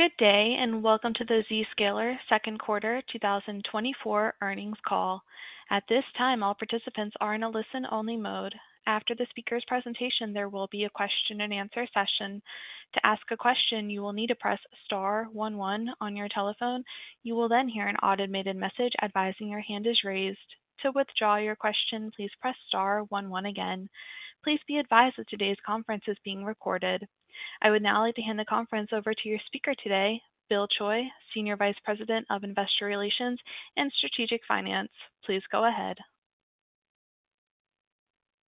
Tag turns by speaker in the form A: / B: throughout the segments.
A: Good day and welcome to the Zscaler second quarter 2024 earnings call. At this time, all participants are in a listen-only mode. After the speaker's presentation, there will be a question-and-answer session. To ask a question, you will need to press star 11 on your telephone. You will then hear an automated message advising your hand is raised. To withdraw your question, please press star 11 again. Please be advised that today's conference is being recorded. I would now like to hand the conference over to your speaker today, Bill Choi, Senior Vice President of Investor Relations and Strategic Finance. Please go ahead.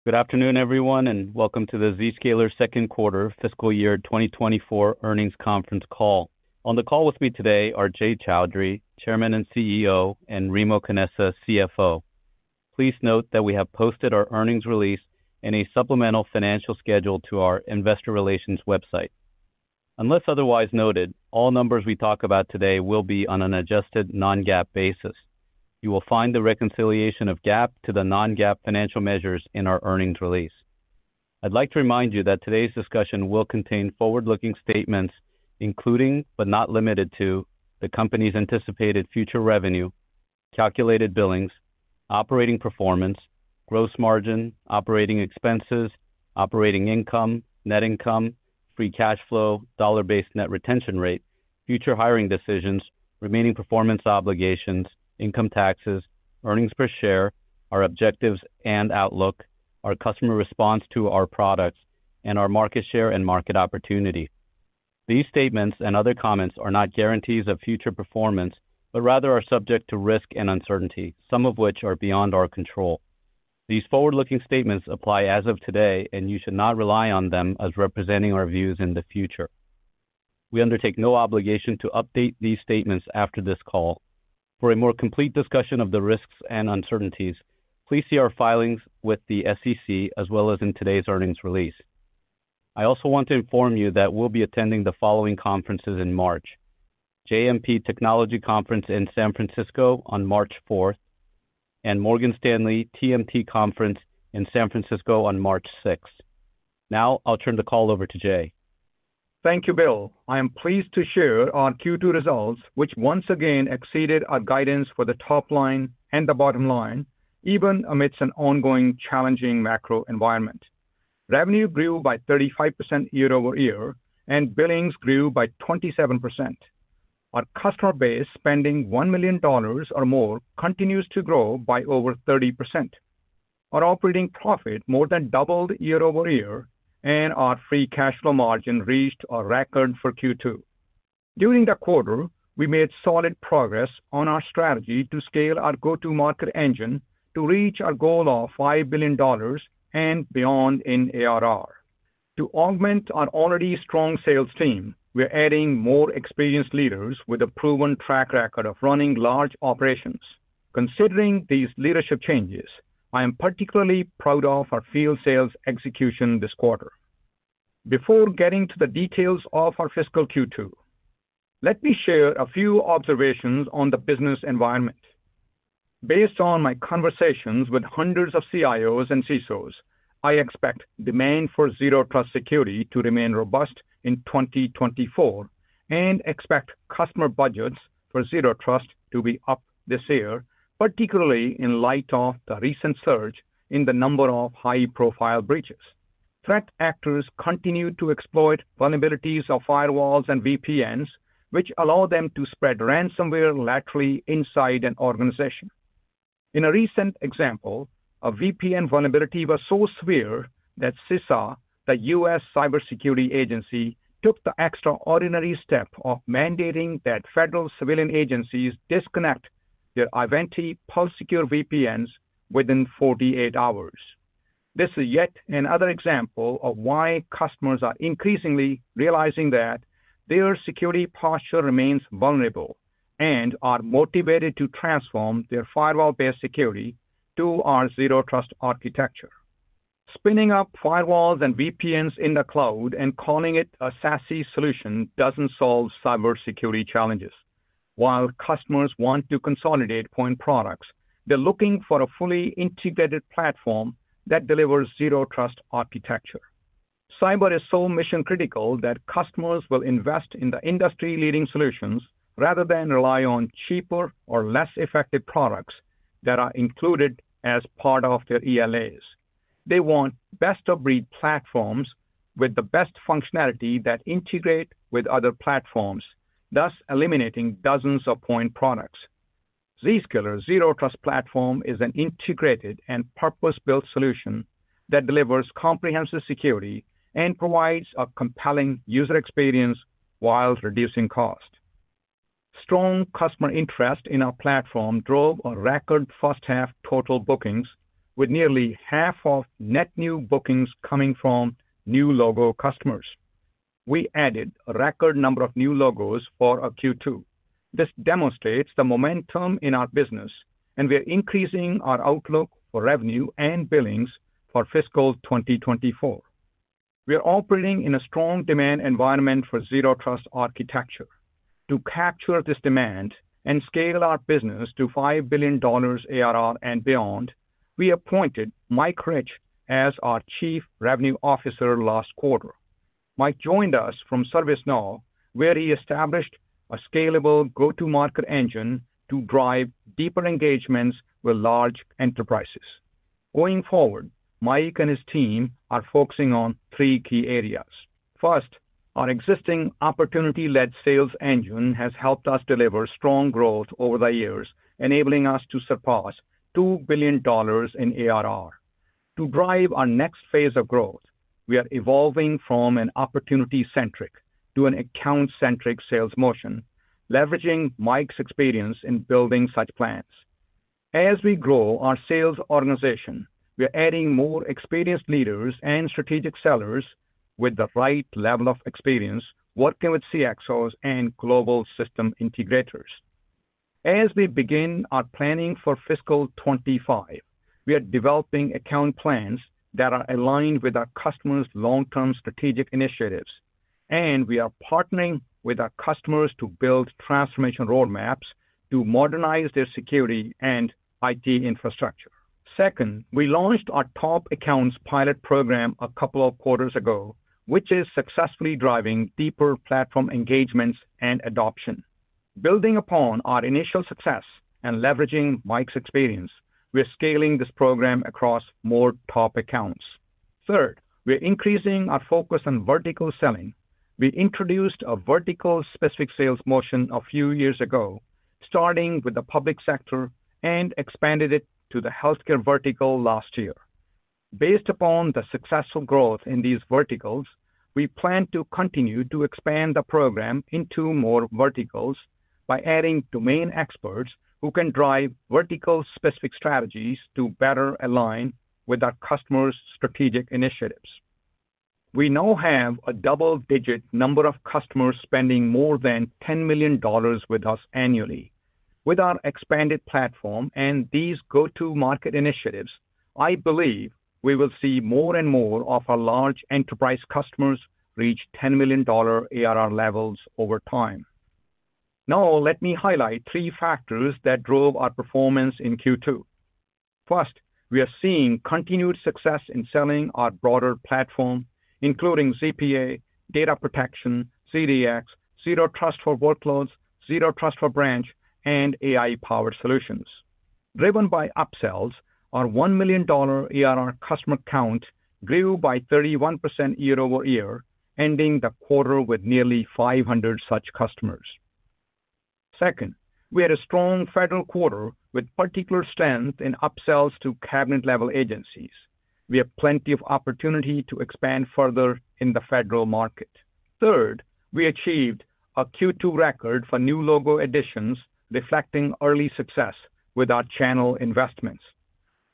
B: Good afternoon, everyone, and welcome to the Zscaler second quarter fiscal year 2024 earnings conference call. On the call with me today are Jay Chaudhry, Chairman and CEO, and Remo Canessa, CFO. Please note that we have posted our earnings release and a supplemental financial schedule to our Investor Relations website. Unless otherwise noted, all numbers we talk about today will be on an adjusted Non-GAAP basis. You will find the reconciliation of GAAP to the Non-GAAP financial measures in our earnings release. I'd like to remind you that today's discussion will contain forward-looking statements including but not limited to: the company's anticipated future revenue, calculated billings, operating performance, gross margin, operating expenses, operating income, net income, free cash flow, Dollar-Based Net Retention Rate, future hiring decisions, Remaining Performance Obligations, income taxes, earnings per share, our objectives and outlook, our customer response to our products, and our market share and market opportunity. These statements and other comments are not guarantees of future performance but rather are subject to risk and uncertainty, some of which are beyond our control. These forward-looking statements apply as of today, and you should not rely on them as representing our views in the future. We undertake no obligation to update these statements after this call. For a more complete discussion of the risks and uncertainties, please see our filings with the SEC as well as in today's earnings release. I also want to inform you that we'll be attending the following conferences in March: JMP Technology Conference in San Francisco on March 4th, and Morgan Stanley TMT Conference in San Francisco on March 6th. Now I'll turn the call over to Jay.
C: Thank you, Bill. I am pleased to share our Q2 results, which once again exceeded our guidance for the top line and the bottom line, even amidst an ongoing challenging macro environment. Revenue grew by 35% year-over-year, and billings grew by 27%. Our customer base spending $1 million or more continues to grow by over 30%. Our operating profit more than doubled year-over-year, and our free cash flow margin reached our record for Q2. During the quarter, we made solid progress on our strategy to scale our go-to market engine to reach our goal of $5 billion and beyond in ARR. To augment our already strong sales team, we're adding more experienced leaders with a proven track record of running large operations. Considering these leadership changes, I am particularly proud of our field sales execution this quarter. Before getting to the details of our fiscal Q2, let me share a few observations on the business environment. Based on my conversations with hundreds of CIOs and CISOs, I expect demand for Zero Trust Security to remain robust in 2024 and expect customer budgets for Zero Trust to be up this year, particularly in light of the recent surge in the number of high-profile breaches. Threat actors continue to exploit vulnerabilities of firewalls and VPNs, which allow them to spread ransomware laterally inside an organization. In a recent example, a VPN vulnerability was so severe that CISA, the Cybersecurity and Infrastructure Security Agency, took the extraordinary step of mandating that federal civilian agencies disconnect their Ivanti Pulse Secure VPNs within 48 hours. This is yet another example of why customers are increasingly realizing that their security posture remains vulnerable and are motivated to transform their firewall-based security to our Zero Trust architecture. Spinning up firewalls and VPNs in the cloud and calling it a SASE solution doesn't solve cybersecurity challenges. While customers want to consolidate point products, they're looking for a fully integrated platform that delivers Zero Trust architecture. Cyber is so mission-critical that customers will invest in the industry-leading solutions rather than rely on cheaper or less effective products that are included as part of their ELAs. They want best-of-breed platforms with the best functionality that integrate with other platforms, thus eliminating dozens of point products. Zscaler's Zero Trust Platform is an integrated and purpose-built solution that delivers comprehensive security and provides a compelling user experience while reducing cost. Strong customer interest in our platform drove a record first-half total bookings, with nearly half of net new bookings coming from new logo customers. We added a record number of new logos for Q2. This demonstrates the momentum in our business, and we're increasing our outlook for revenue and billings for fiscal 2024. We're operating in a strong demand environment for Zero Trust architecture. To capture this demand and scale our business to $5 billion ARR and beyond, we appointed Mike Rich as our Chief Revenue Officer last quarter. Mike joined us from ServiceNow, where he established a scalable go-to-market engine to drive deeper engagements with large enterprises. Going forward, Mike and his team are focusing on three key areas. First, our existing opportunity-led sales engine has helped us deliver strong growth over the years, enabling us to surpass $2 billion in ARR. To drive our next phase of growth, we are evolving from an opportunity-centric to an account-centric sales motion, leveraging Mike's experience in building such plans. As we grow our sales organization, we're adding more experienced leaders and strategic sellers with the right level of experience working with CXOs and global system integrators. As we begin our planning for fiscal 2025, we are developing account plans that are aligned with our customers' long-term strategic initiatives, and we are partnering with our customers to build transformation roadmaps to modernize their security and IT infrastructure. Second, we launched our Top Accounts pilot program a couple of quarters ago, which is successfully driving deeper platform engagements and adoption. Building upon our initial success and leveraging Mike's experience, we're scaling this program across more top accounts. Third, we're increasing our focus on vertical selling. We introduced a vertical-specific sales motion a few years ago, starting with the public sector and expanded it to the healthcare vertical last year. Based upon the successful growth in these verticals, we plan to continue to expand the program into more verticals by adding domain experts who can drive vertical-specific strategies to better align with our customers' strategic initiatives. We now have a double-digit number of customers spending more than $10 million with us annually. With our expanded platform and these go-to-market initiatives, I believe we will see more and more of our large enterprise customers reach $10 million ARR levels over time. Now let me highlight three factors that drove our performance in Q2. First, we are seeing continued success in selling our broader platform, including ZPA, Data Protection, ZDX, Zero Trust for Workloads, Zero Trust for Branch, and AI-powered solutions. Driven by upsells, our $1 million ARR customer count grew by 31% year-over-year, ending the quarter with nearly 500 such customers. Second, we had a strong federal quarter with particular strength in upsells to cabinet-level agencies. We have plenty of opportunity to expand further in the federal market. Third, we achieved a Q2 record for new logo additions, reflecting early success with our channel investments.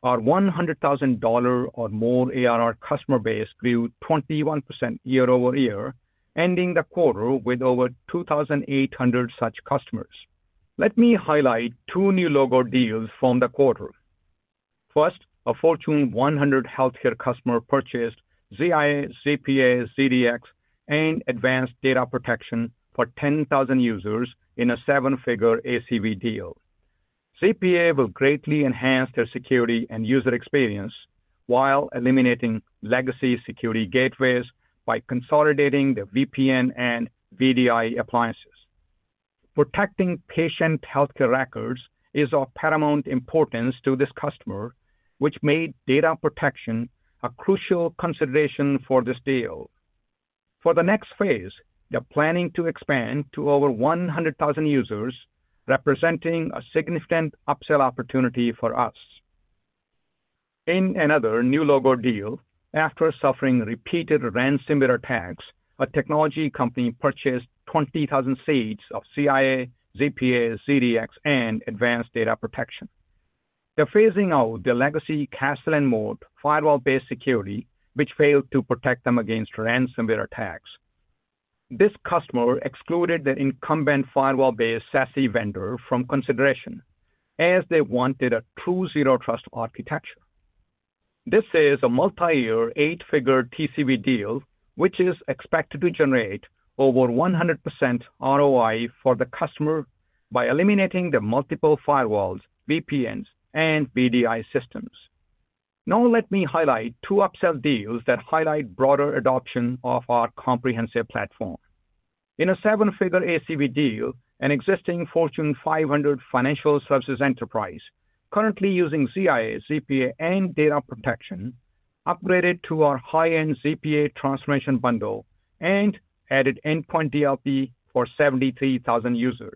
C: Our $100,000 or more ARR customer base grew 21% year-over-year, ending the quarter with over 2,800 such customers. Let me highlight two new logo deals from the quarter. First, a Fortune 100 healthcare customer purchased ZIA, ZPA, ZDX, and Advanced Data Protection for 10,000 users in a seven-figure ACV deal. ZPA will greatly enhance their security and user experience while eliminating legacy security gateways by consolidating their VPN and VDI appliances. Protecting patient healthcare records is of paramount importance to this customer, which made Data Protection a crucial consideration for this deal. For the next phase, they're planning to expand to over 100,000 users, representing a significant upsell opportunity for us. In another new logo deal, after suffering repeated ransomware attacks, a technology company purchased 20,000 seats of ZIA, ZPA, ZDX, and Advanced Data Protection. They're phasing out their legacy castle-and-moat firewall-based security, which failed to protect them against ransomware attacks. This customer excluded their incumbent firewall-based SASE vendor from consideration, as they wanted a true Zero Trust architecture. This is a multi-year, eight-figure TCV deal, which is expected to generate over 100% ROI for the customer by eliminating their multiple firewalls, VPNs, and VDI systems. Now let me highlight two upsell deals that highlight broader adoption of our comprehensive platform. In a seven-figure ACV deal, an existing Fortune 500 financial services enterprise, currently using ZIA, ZPA, and Data Protection, upgraded to our high-end ZPA transformation bundle and added Endpoint DLP for 73,000 users.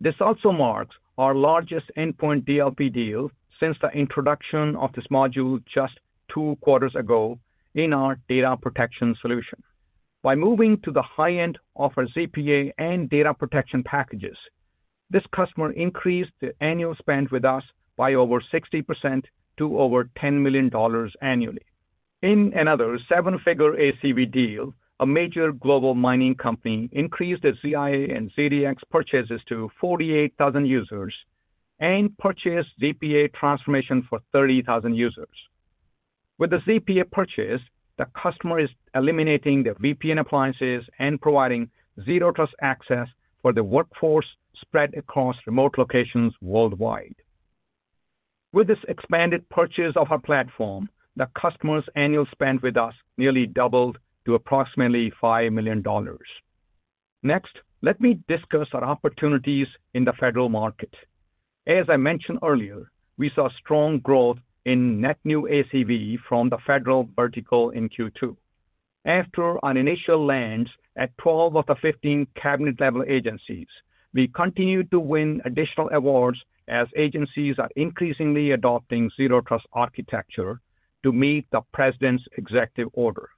C: This also marks our largest Endpoint DLP deal since the introduction of this module just two quarters ago in our Data Protection solution. By moving to the high-end of our ZPA and Data Protection packages, this customer increased their annual spend with us by over 60% to over $10 million annually. In another seven-figure ACV deal, a major global mining company increased their ZIA and ZDX purchases to 48,000 users and purchased ZPA transformation for 30,000 users. With the ZPA purchase, the customer is eliminating their VPN appliances and providing Zero Trust access for their workforce spread across remote locations worldwide. With this expanded purchase of our platform, the customer's annual spend with us nearly doubled to approximately $5 million. Next, let me discuss our opportunities in the federal market. As I mentioned earlier, we saw strong growth in net new ACV from the federal vertical in Q2. After our initial lands at 12 of the 15 cabinet-level agencies, we continue to win additional awards as agencies are increasingly adopting Zero Trust architecture to meet the President's executive order.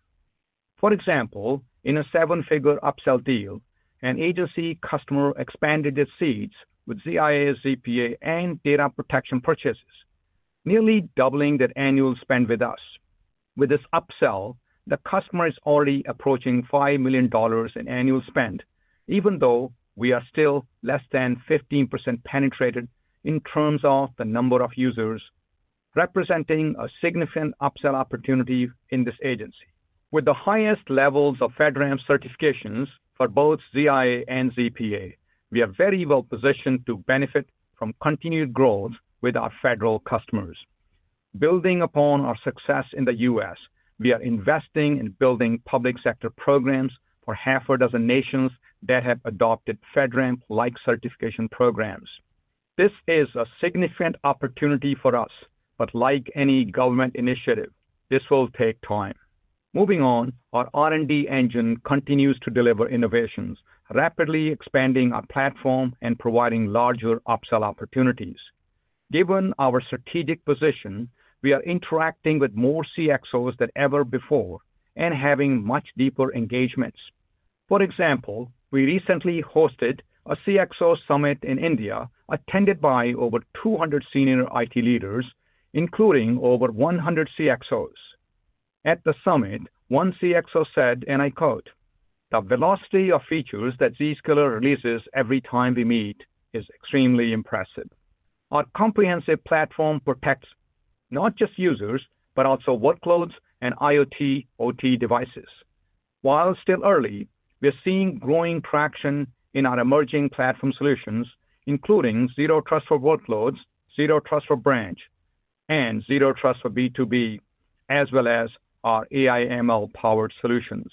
C: For example, in a seven-figure upsell deal, an agency customer expanded their seeds with ZIA, ZPA, and Data Protection purchases, nearly doubling their annual spend with us. With this upsell, the customer is already approaching $5 million in annual spend, even though we are still less than 15% penetrated in terms of the number of users, representing a significant upsell opportunity in this agency. With the highest levels of FedRAMP certifications for both ZIA and ZPA, we are very well positioned to benefit from continued growth with our federal customers. Building upon our success in the U.S., we are investing in building public sector programs for half a dozen nations that have adopted FedRAMP-like certification programs. This is a significant opportunity for us, but like any government initiative, this will take time. Moving on, our R&D engine continues to deliver innovations, rapidly expanding our platform and providing larger upsell opportunities. Given our strategic position, we are interacting with more CXOs than ever before and having much deeper engagements. For example, we recently hosted a CXO Summit in India attended by over 200 senior IT leaders, including over 100 CXOs. At the summit, one CXO said, and I quote, "The velocity of features that Zscaler releases every time we meet is extremely impressive." Our comprehensive platform protects not just users, but also workloads and IoT/OT devices. While still early, we're seeing growing traction in our emerging platform solutions, including Zero Trust for Workloads, Zero Trust for Branch, and Zero Trust for B2B, as well as our AI/ML-powered solutions.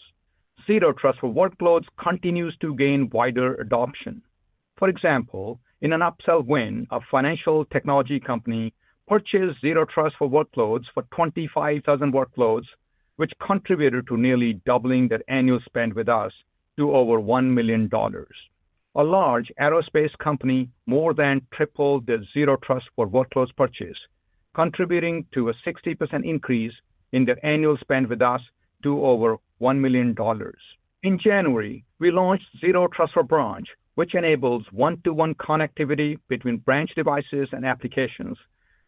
C: Zero Trust for Workloads continues to gain wider adoption. For example, in an upsell win, a financial technology company purchased Zero Trust for Workloads for 25,000 workloads, which contributed to nearly doubling their annual spend with us to over $1 million. A large aerospace company more than tripled their Zero Trust for Workloads purchase, contributing to a 60% increase in their annual spend with us to over $1 million. In January, we launched Zero Trust for Branch, which enables one-to-one connectivity between branch devices and applications,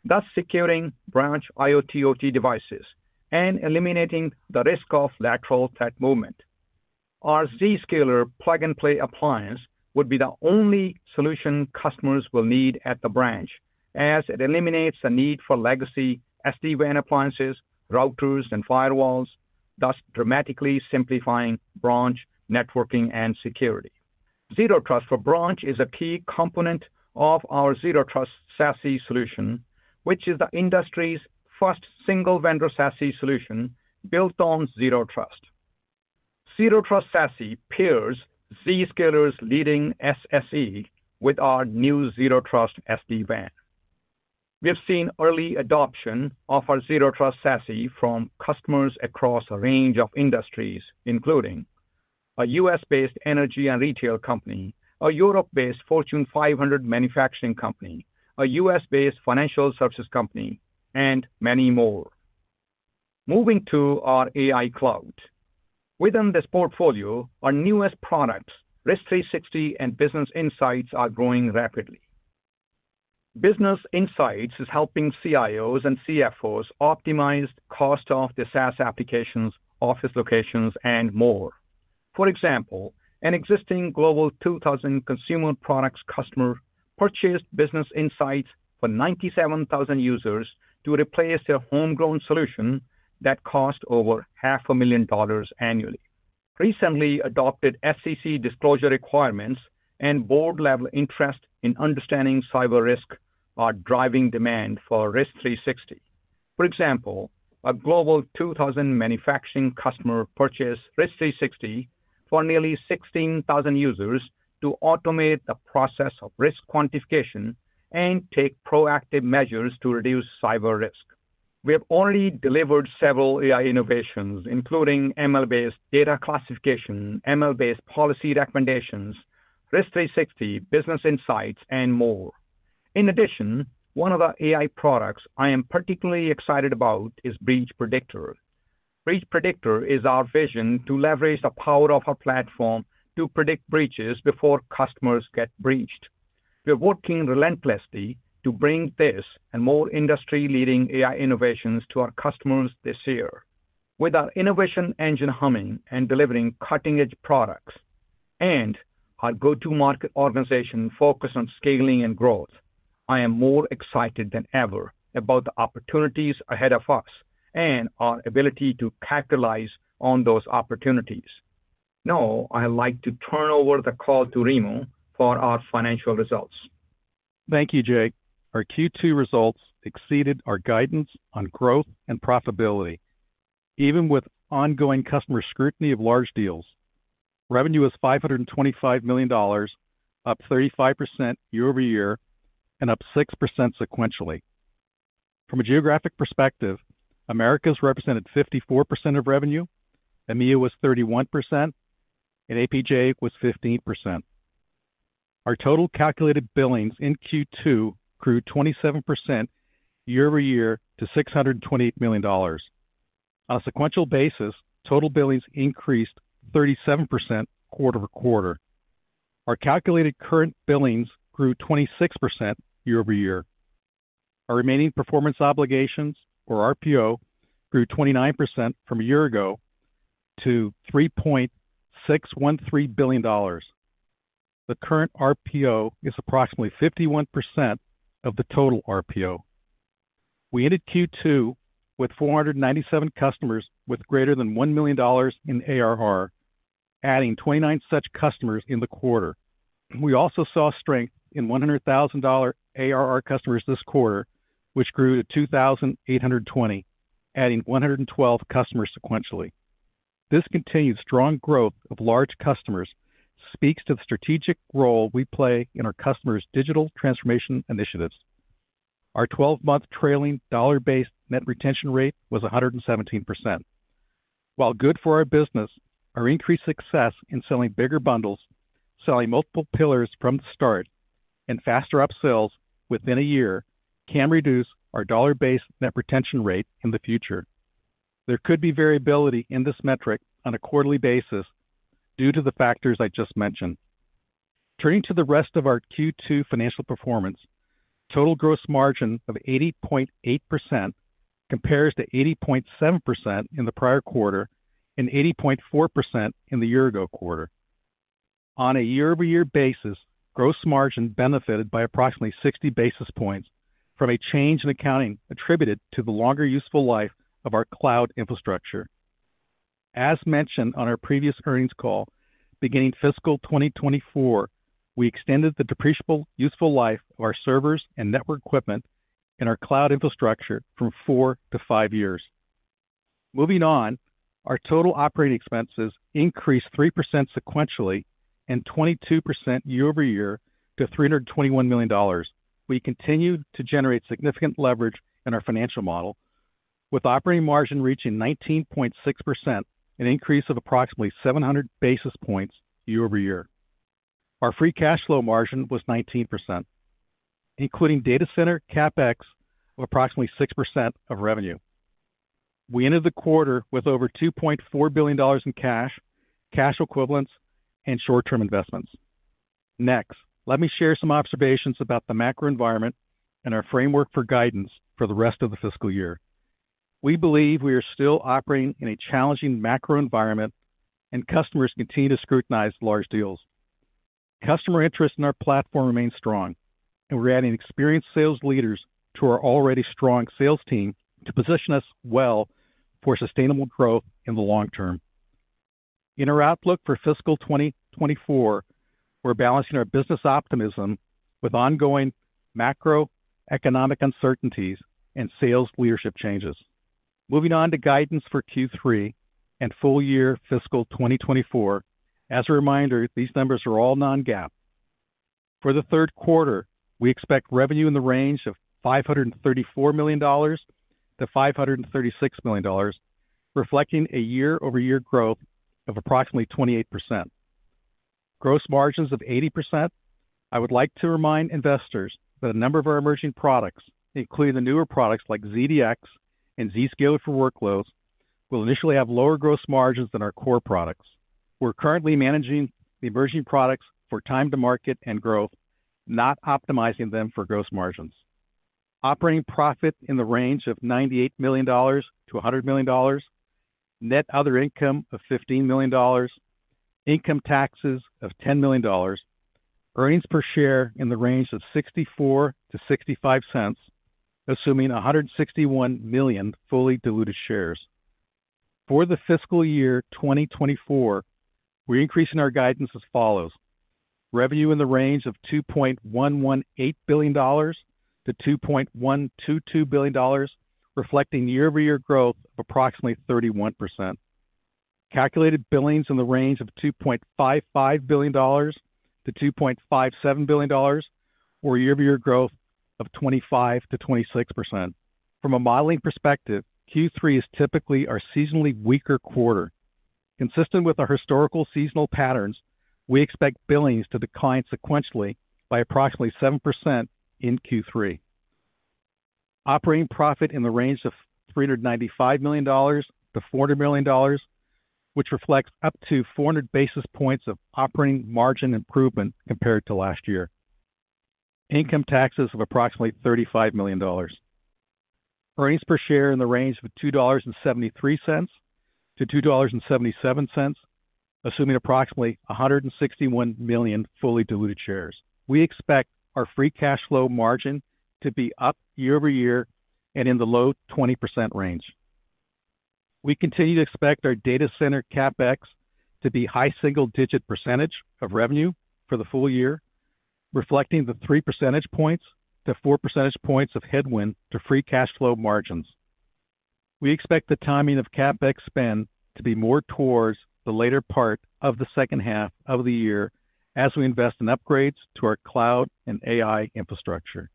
C: thus securing branch IoT/OT devices and eliminating the risk of lateral threat movement. Our Zscaler plug-and-play appliance would be the only solution customers will need at the branch, as it eliminates the need for legacy SD-WAN appliances, routers, and firewalls, thus dramatically simplifying branch networking and security. Zero Trust for Branch is a key component of our Zero Trust SASE solution, which is the industry's first single-vendor SASE solution built on Zero Trust. Zero Trust SASE pairs Zscaler's leading SSE with our new Zero Trust SD-WAN. We've seen early adoption of our Zero Trust SASE from customers across a range of industries, including: a U.S.-based energy and retail company, a Europe-based Fortune 500 manufacturing company, a U.S.-based financial services company, and many more. Moving to our AI cloud. Within this portfolio, our newest products, Risk360, and Business Insights are growing rapidly. Business Insights is helping CIOs and CFOs optimize cost of the SaaS applications, office locations, and more. For example, an existing Global 2000 Consumer Products customer purchased Business Insights for 97,000 users to replace their homegrown solution that cost over $500,000 annually. Recently adopted SEC disclosure requirements and board-level interest in understanding cyber risk are driving demand for Risk360. For example, a Global 2000 manufacturing customer purchased Risk360 for nearly 16,000 users to automate the process of risk quantification and take proactive measures to reduce cyber risk. We have already delivered several AI innovations, including ML-based data classification, ML-based policy recommendations, Risk360, Business Insights, and more. In addition, one of the AI products I am particularly excited about is Breach Predictor. Breach Predictor is our vision to leverage the power of our platform to predict breaches before customers get breached. We're working relentlessly to bring this and more industry-leading AI innovations to our customers this year. With our innovation engine humming and delivering cutting-edge products, and our go-to-market organization focused on scaling and growth, I am more excited than ever about the opportunities ahead of us and our ability to capitalize on those opportunities. Now I'd like to turn over the call to Remo for our financial results.
D: Thank you, Jay. Our Q2 results exceeded our guidance on growth and profitability, even with ongoing customer scrutiny of large deals. Revenue was $525 million, up 35% year-over-year and up 6% sequentially. From a geographic perspective, Americas represented 54% of revenue, EMEA was 31%, and APJ was 15%. Our total calculated billings in Q2 grew 27% year-over-year to $628 million. On a sequential basis, total billings increased 37% quarter-over-quarter. Our calculated current billings grew 26% year-over-year. Our remaining performance obligations, or RPO, grew 29% from a year ago to $3.613 billion. The current RPO is approximately 51% of the total RPO. We ended Q2 with 497 customers with greater than $1 million in ARR, adding 29 such customers in the quarter. We also saw strength in $100,000 ARR customers this quarter, which grew to 2,820, adding 112 customers sequentially. This continued strong growth of large customers speaks to the strategic role we play in our customers' digital transformation initiatives. Our 12-month trailing dollar-based net retention rate was 117%. While good for our business, our increased success in selling bigger bundles, selling multiple pillars from the start, and faster upsells within a year can reduce our dollar-based net retention rate in the future. There could be variability in this metric on a quarterly basis due to the factors I just mentioned. Turning to the rest of our Q2 financial performance, total gross margin of 80.8% compares to 80.7% in the prior quarter and 80.4% in the year-ago quarter. On a year-over-year basis, gross margin benefited by approximately 60 basis points from a change in accounting attributed to the longer useful life of our cloud infrastructure. As mentioned on our previous earnings call, beginning fiscal 2024, we extended the depreciable useful life of our servers and network equipment in our cloud infrastructure from 4-5-years. Moving on, our total operating expenses increased 3% sequentially and 22% year-over-year to $321 million. We continue to generate significant leverage in our financial model, with operating margin reaching 19.6%, an increase of approximately 700 basis points year-over-year. Our free cash flow margin was 19%, including data center CapEx of approximately 6% of revenue. We ended the quarter with over $2.4 billion in cash, cash equivalents, and short-term investments. Next, let me share some observations about the macro environment and our framework for guidance for the rest of the fiscal year. We believe we are still operating in a challenging macro environment, and customers continue to scrutinize large deals. Customer interest in our platform remains strong, and we're adding experienced sales leaders to our already strong sales team to position us well for sustainable growth in the long term. In our outlook for fiscal 2024, we're balancing our business optimism with ongoing macroeconomic uncertainties and sales leadership changes. Moving on to guidance for Q3 and full-year fiscal 2024, as a reminder, these numbers are all Non-GAAP. For the third quarter, we expect revenue in the range of $534 million-$536 million, reflecting a year-over-year growth of approximately 28%. Gross margins of 80%. I would like to remind investors that a number of our emerging products, including the newer products like ZDX and Zscaler for Workloads, will initially have lower gross margins than our core products. We're currently managing the emerging products for time-to-market and growth, not optimizing them for gross margins. Operating profit in the range of $98 million-$100 million, net other income of $15 million, income taxes of $10 million, earnings per share in the range of $0.64-$0.65, assuming 161 million fully diluted shares. For the fiscal year 2024, we're increasing our guidance as follows: revenue in the range of $2.118 billion-$2.122 billion, reflecting year-over-year growth of approximately 31%. Calculated billings in the range of $2.55 billion-$2.57 billion, or year-over-year growth of 25%-26%. From a modeling perspective, Q3 is typically our seasonally weaker quarter. Consistent with our historical seasonal patterns, we expect billings to decline sequentially by approximately 7% in Q3. Operating profit in the range of $395 million-$400 million, which reflects up to 400 basis points of operating margin improvement compared to last year. Income taxes of approximately $35 million. Earnings per share in the range of $2.73-$2.77, assuming approximately 161 million fully diluted shares. We expect our free cash flow margin to be up year-over-year and in the low 20% range. We continue to expect our data center CapEx to be high single-digit percentage of revenue for the full year, reflecting the 3-4 percentage points of headwind to free cash flow margins. We expect the timing of CapEx spend to be more towards the later part of the second half of the year as we invest in upgrades to our cloud and AI infrastructure.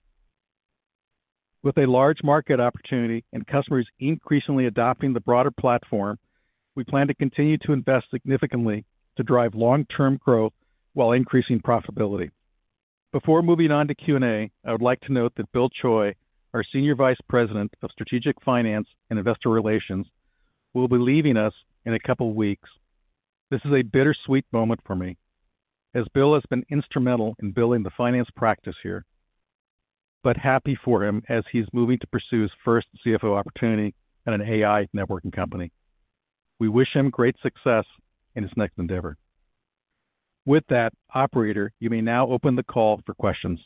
D: With a large market opportunity and customers increasingly adopting the broader platform, we plan to continue to invest significantly to drive long-term growth while increasing profitability. Before moving on to Q&A, I would like to note that Bill Choi, our Senior Vice President of Strategic Finance and Investor Relations, will be leaving us in a couple of weeks. This is a bittersweet moment for me, as Bill has been instrumental in building the finance practice here, but happy for him as he's moving to pursue his first CFO opportunity at an AI networking company. We wish him great success in his next endeavor. With that, operator, you may now open the call for questions.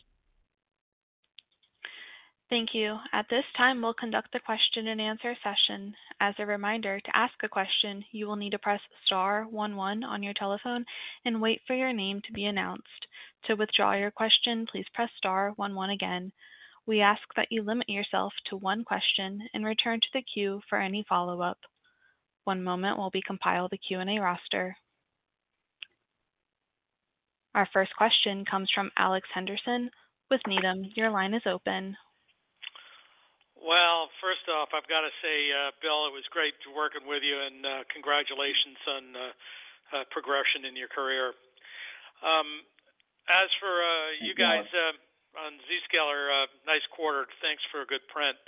A: Thank you. At this time, we'll conduct the question-and-answer session. As a reminder, to ask a question, you will need to press star 11 on your telephone and wait for your name to be announced. To withdraw your question, please press star 11 again. We ask that you limit yourself to one question and return to the queue for any follow-up. One moment while we compile the Q&A roster. Our first question comes from Alex Henderson. With Needham, your line is open.
E: Well, first off, I've got to say, Bill, it was great working with you, and congratulations on progression in your career. As for you guys on Zscaler, nice quarter. Thanks for a good print.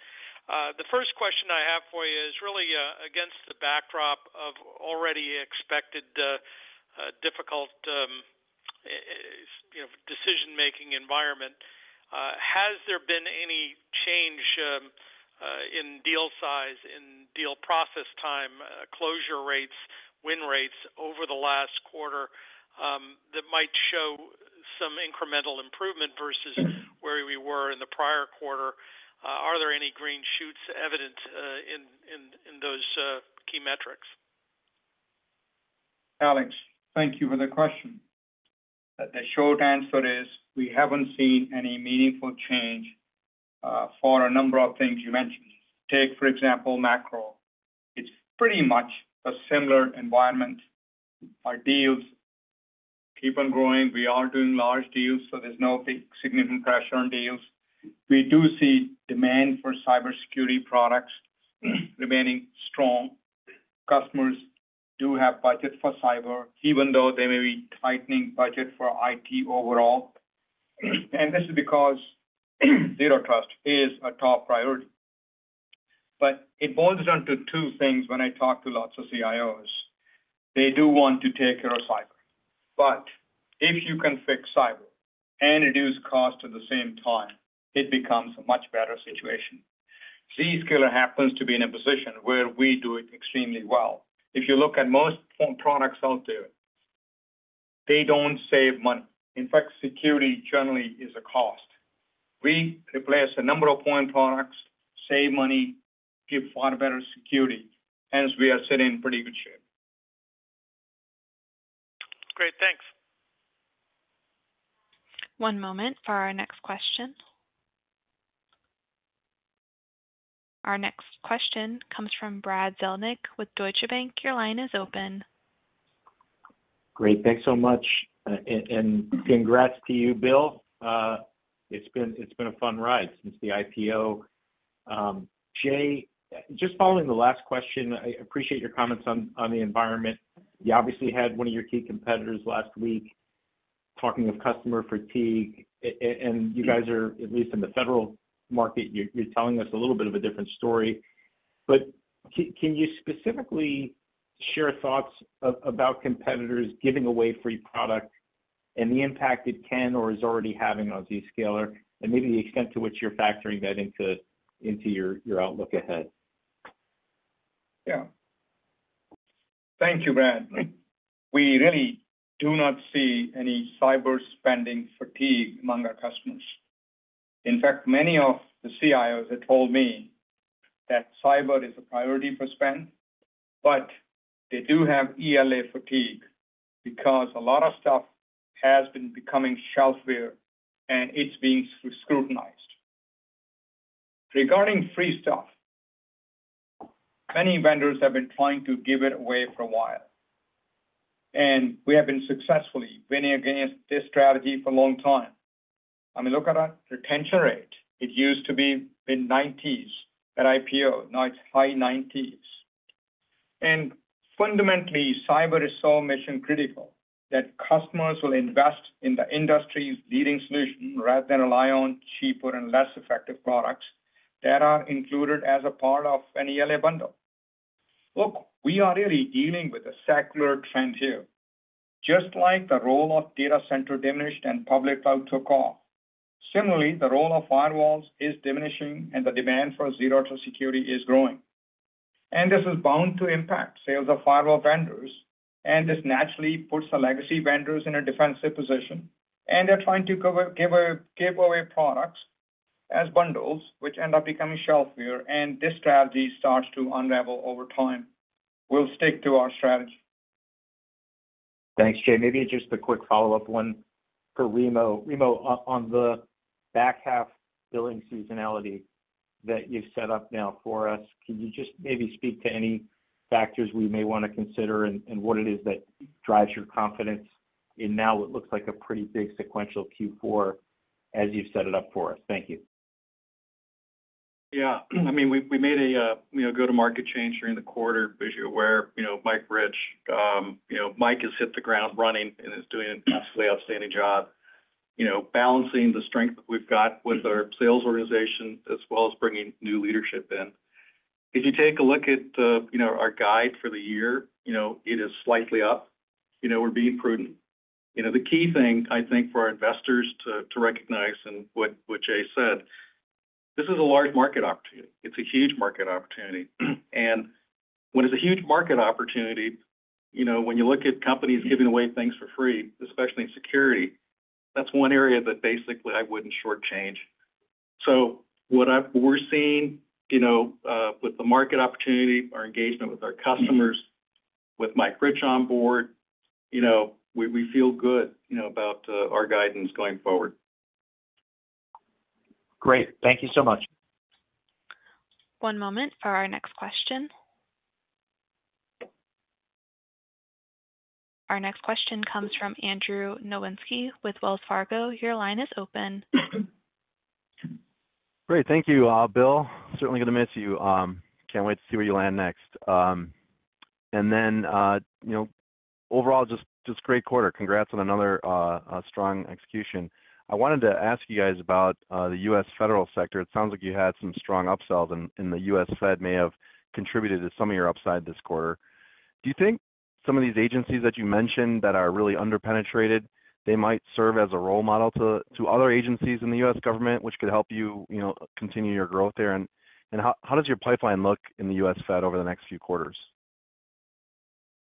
E: The first question I have for you is really against the backdrop of already expected difficult decision-making environment. Has there been any change in deal size, in deal process time, closure rates, win rates over the last quarter that might show some incremental improvement versus where we were in the prior quarter? Are there any green shoots evident in those key metrics?
C: Alex, thank you for the question. The short answer is we haven't seen any meaningful change for a number of things you mentioned. Take, for example, macro. It's pretty much a similar environment. Our deals keep on growing. We are doing large deals, so there's no significant pressure on deals. We do see demand for cybersecurity products remaining strong. Customers do have budgets for cyber, even though they may be tightening budgets for IT overall. And this is because zero trust is a top priority. But it boils down to two things when I talk to lots of CIOs. They do want to take care of cyber. But if you can fix cyber and reduce costs at the same time, it becomes a much better situation. Zscaler happens to be in a position where we do it extremely well. If you look at most products out there, they don't save money. In fact, security generally is a cost. We replace a number of point products, save money, give far better security. Hence, we are sitting in pretty good shape.
E: Great. Thanks.
A: One moment for our next question. Our next question comes from Brad Zelnick with Deutsche Bank. Your line is open.
F: Great. Thanks so much. And congrats to you, Bill. It's been a fun ride since the IPO. Jay, just following the last question, I appreciate your comments on the environment. You obviously had one of your key competitors last week talking of customer fatigue. And you guys are, at least in the federal market, you're telling us a little bit of a different story. But can you specifically share thoughts about competitors giving away free product and the impact it can or is already having on Zscaler, and maybe the extent to which you're factoring that into your outlook ahead?
C: Yeah. Thank you, Brad. We really do not see any cyber spending fatigue among our customers. In fact, many of the CIOs have told me that cyber is a priority for spend, but they do have ELA fatigue because a lot of stuff has been becoming shelfware and it's being scrutinized. Regarding free stuff, many vendors have been trying to give it away for a while, and we have been successfully winning against this strategy for a long time. I mean, look at our retention rate. It used to be in the 90s at IPO. Now it's high 90s. And fundamentally, cyber is so mission-critical that customers will invest in the industry's leading solution rather than rely on cheaper and less effective products that are included as a part of an ELA bundle. Look, we are really dealing with a secular trend here. Just like the role of data center diminished and public cloud took off, similarly, the role of firewalls is diminishing and the demand for zero trust security is growing. And this is bound to impact sales of firewall vendors, and this naturally puts our legacy vendors in a defensive position. And they're trying to give away products as bundles, which end up becoming shelfware, and this strategy starts to unravel over time. We'll stick to our strategy.
F: Thanks, Jay. Maybe just a quick follow-up one for Remo. Remo, on the back half billing seasonality that you've set up now for us, can you just maybe speak to any factors we may want to consider and what it is that drives your confidence in now what looks like a pretty big sequential Q4 as you've set it up for us? Thank you.
D: Yeah. I mean, we made a go-to-market change during the quarter, as you're aware, Mike Rich. Mike has hit the ground running and is doing an absolutely outstanding job balancing the strength that we've got with our sales organization as well as bringing new leadership in. If you take a look at our guide for the year, it is slightly up. We're being prudent. The key thing, I think, for our investors to recognize and what Jay said, this is a large market opportunity. It's a huge market opportunity. And when it's a huge market opportunity, when you look at companies giving away things for free, especially in security, that's one area that basically I wouldn't shortchange. So what we're seeing with the market opportunity, our engagement with our customers, with Mike Rich on board, we feel good about our guidance going forward.
F: Great. Thank you so much.
A: One moment for our next question. Our next question comes from Andrew Nowinski with Wells Fargo. Your line is open.
G: Great. Thank you, Bill. Certainly going to miss you. Can't wait to see where you land next. And then overall, just great quarter. Congrats on another strong execution. I wanted to ask you guys about the U.S. federal sector. It sounds like you had some strong upsells, and the U.S. Fed may have contributed to some of your upside this quarter. Do you think some of these agencies that you mentioned that are really underpenetrated, they might serve as a role model to other agencies in the U.S. government, which could help you continue your growth there? And how does your pipeline look in the U.S. Fed over the next few quarters?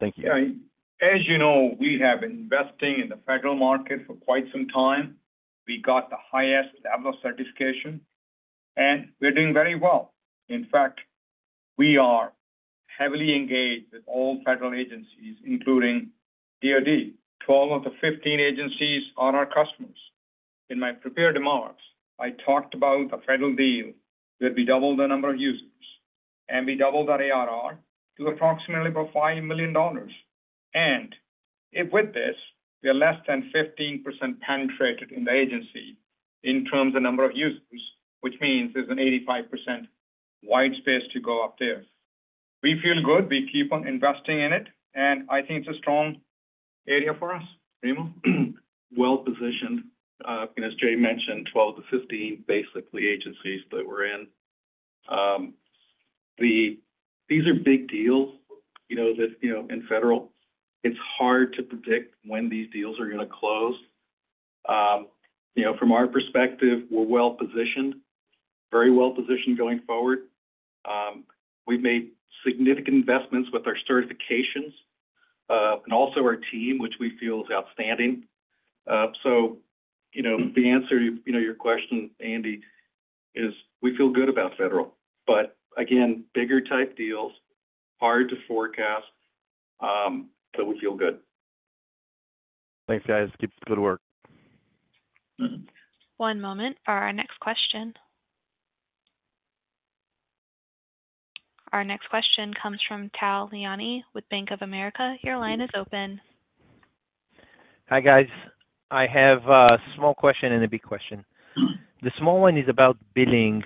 G: Thank you.
C: Yeah. As you know, we have been investing in the federal market for quite some time. We got the highest level of certification, and we're doing very well. In fact, we are heavily engaged with all federal agencies, including DOD. 12 of the 15 agencies are our customers. In my prepared remarks, I talked about a federal deal where we doubled the number of users and we doubled our ARR to approximately about $5 million. And with this, we are less than 15% penetrated in the agency in terms of number of users, which means there's an 85% white space to go up there. We feel good. We keep on investing in it, and I think it's a strong area for us, Remo.
D: Well-positioned. As Jay mentioned, 12-15, basically, agencies that we're in. These are big deals in federal. It's hard to predict when these deals are going to close. From our perspective, we're well-positioned, very well-positioned going forward. We've made significant investments with our certifications and also our team, which we feel is outstanding. So the answer to your question, Andy, is we feel good about federal. But again, bigger type deals, hard to forecast, but we feel good.
G: Thanks, guys. Keep up the good work.
A: One moment for our next question. Our next question comes from Tal Liani with Bank of America. Your line is open.
H: Hi, guys. I have a small question and a big question. The small one is about billing.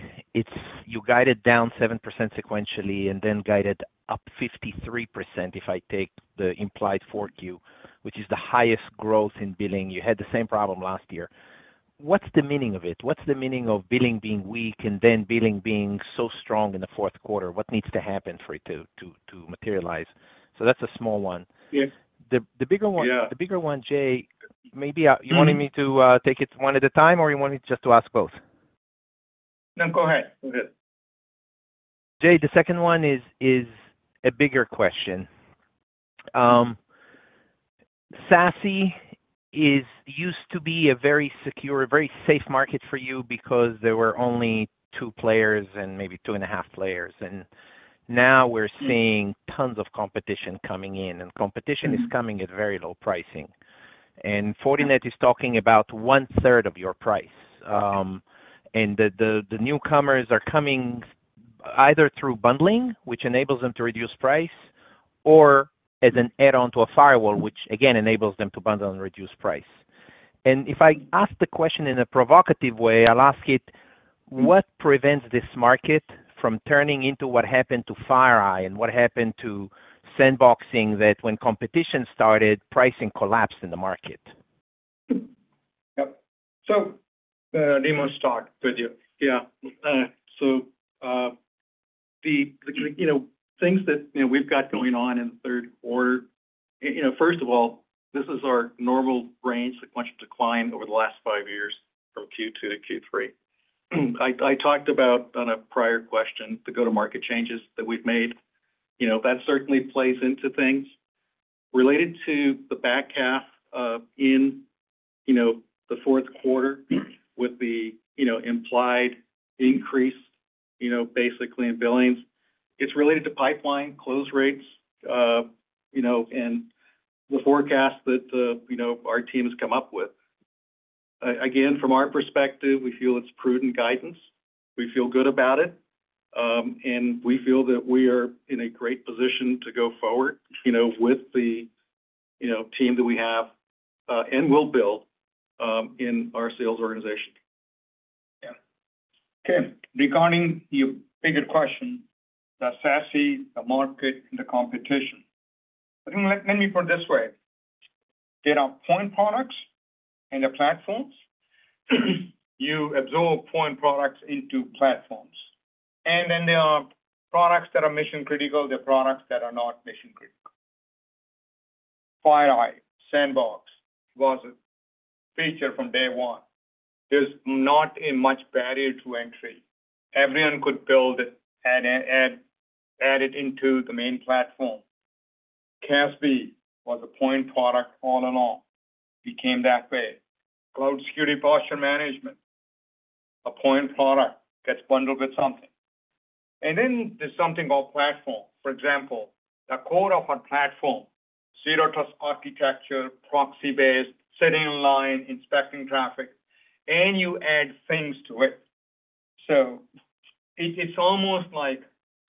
H: You guided down 7% sequentially and then guided up 53% if I take the implied forecast which is the highest growth in billing. You had the same problem last year. What's the meaning of it? What's the meaning of billing being weak and then billing being so strong in the fourth quarter? What needs to happen for it to materialize? So that's a small one. The bigger one, Jay, maybe you wanted me to take it one at a time, or you wanted just to ask both?
C: No, go ahead. Go ahead.
H: Jay, the second one is a bigger question. SASE used to be a very secure, very safe market for you because there were only two players and maybe two and a half players. Now we're seeing tons of competition coming in, and competition is coming at very low pricing. Fortinet is talking about one-third of your price. The newcomers are coming either through bundling, which enables them to reduce price, or as an add-on to a firewall, which again enables them to bundle and reduce price. If I ask the question in a provocative way, I'll ask it: what prevents this market from turning into what happened to FireEye and what happened to sandboxing, that when competition started, pricing collapsed in the market?
D: Yep. So Remo, start with you. Yeah. So the things that we've got going on in the third quarter, first of all, this is our normal range sequential decline over the last five years from Q2 to Q3. I talked about on a prior question the go-to-market changes that we've made. That certainly plays into things. Related to the back half in the fourth quarter with the implied increase, basically, in billings, it's related to pipeline, close rates, and the forecast that our team has come up with. Again, from our perspective, we feel it's prudent guidance. We feel good about it. And we feel that we are in a great position to go forward with the team that we have and will build in our sales organization.
C: Yeah. Okay. Regarding your bigger question, the SASE, the market, and the competition, let me put it this way. There are point products and the platforms. You absorb point products into platforms. And then there are products that are mission-critical. There are products that are not mission-critical. FireEye, Sandbox, was a feature from day one. There's not much barrier to entry. Everyone could build and add it into the main platform. CASB was a point product all along. It became that way. Cloud Security Posture Management, a point product that's bundled with something. And then there's something called platform. For example, the core of our platform, zero trust architecture, proxy-based, sitting in line, inspecting traffic, and you add things to it. So it's almost like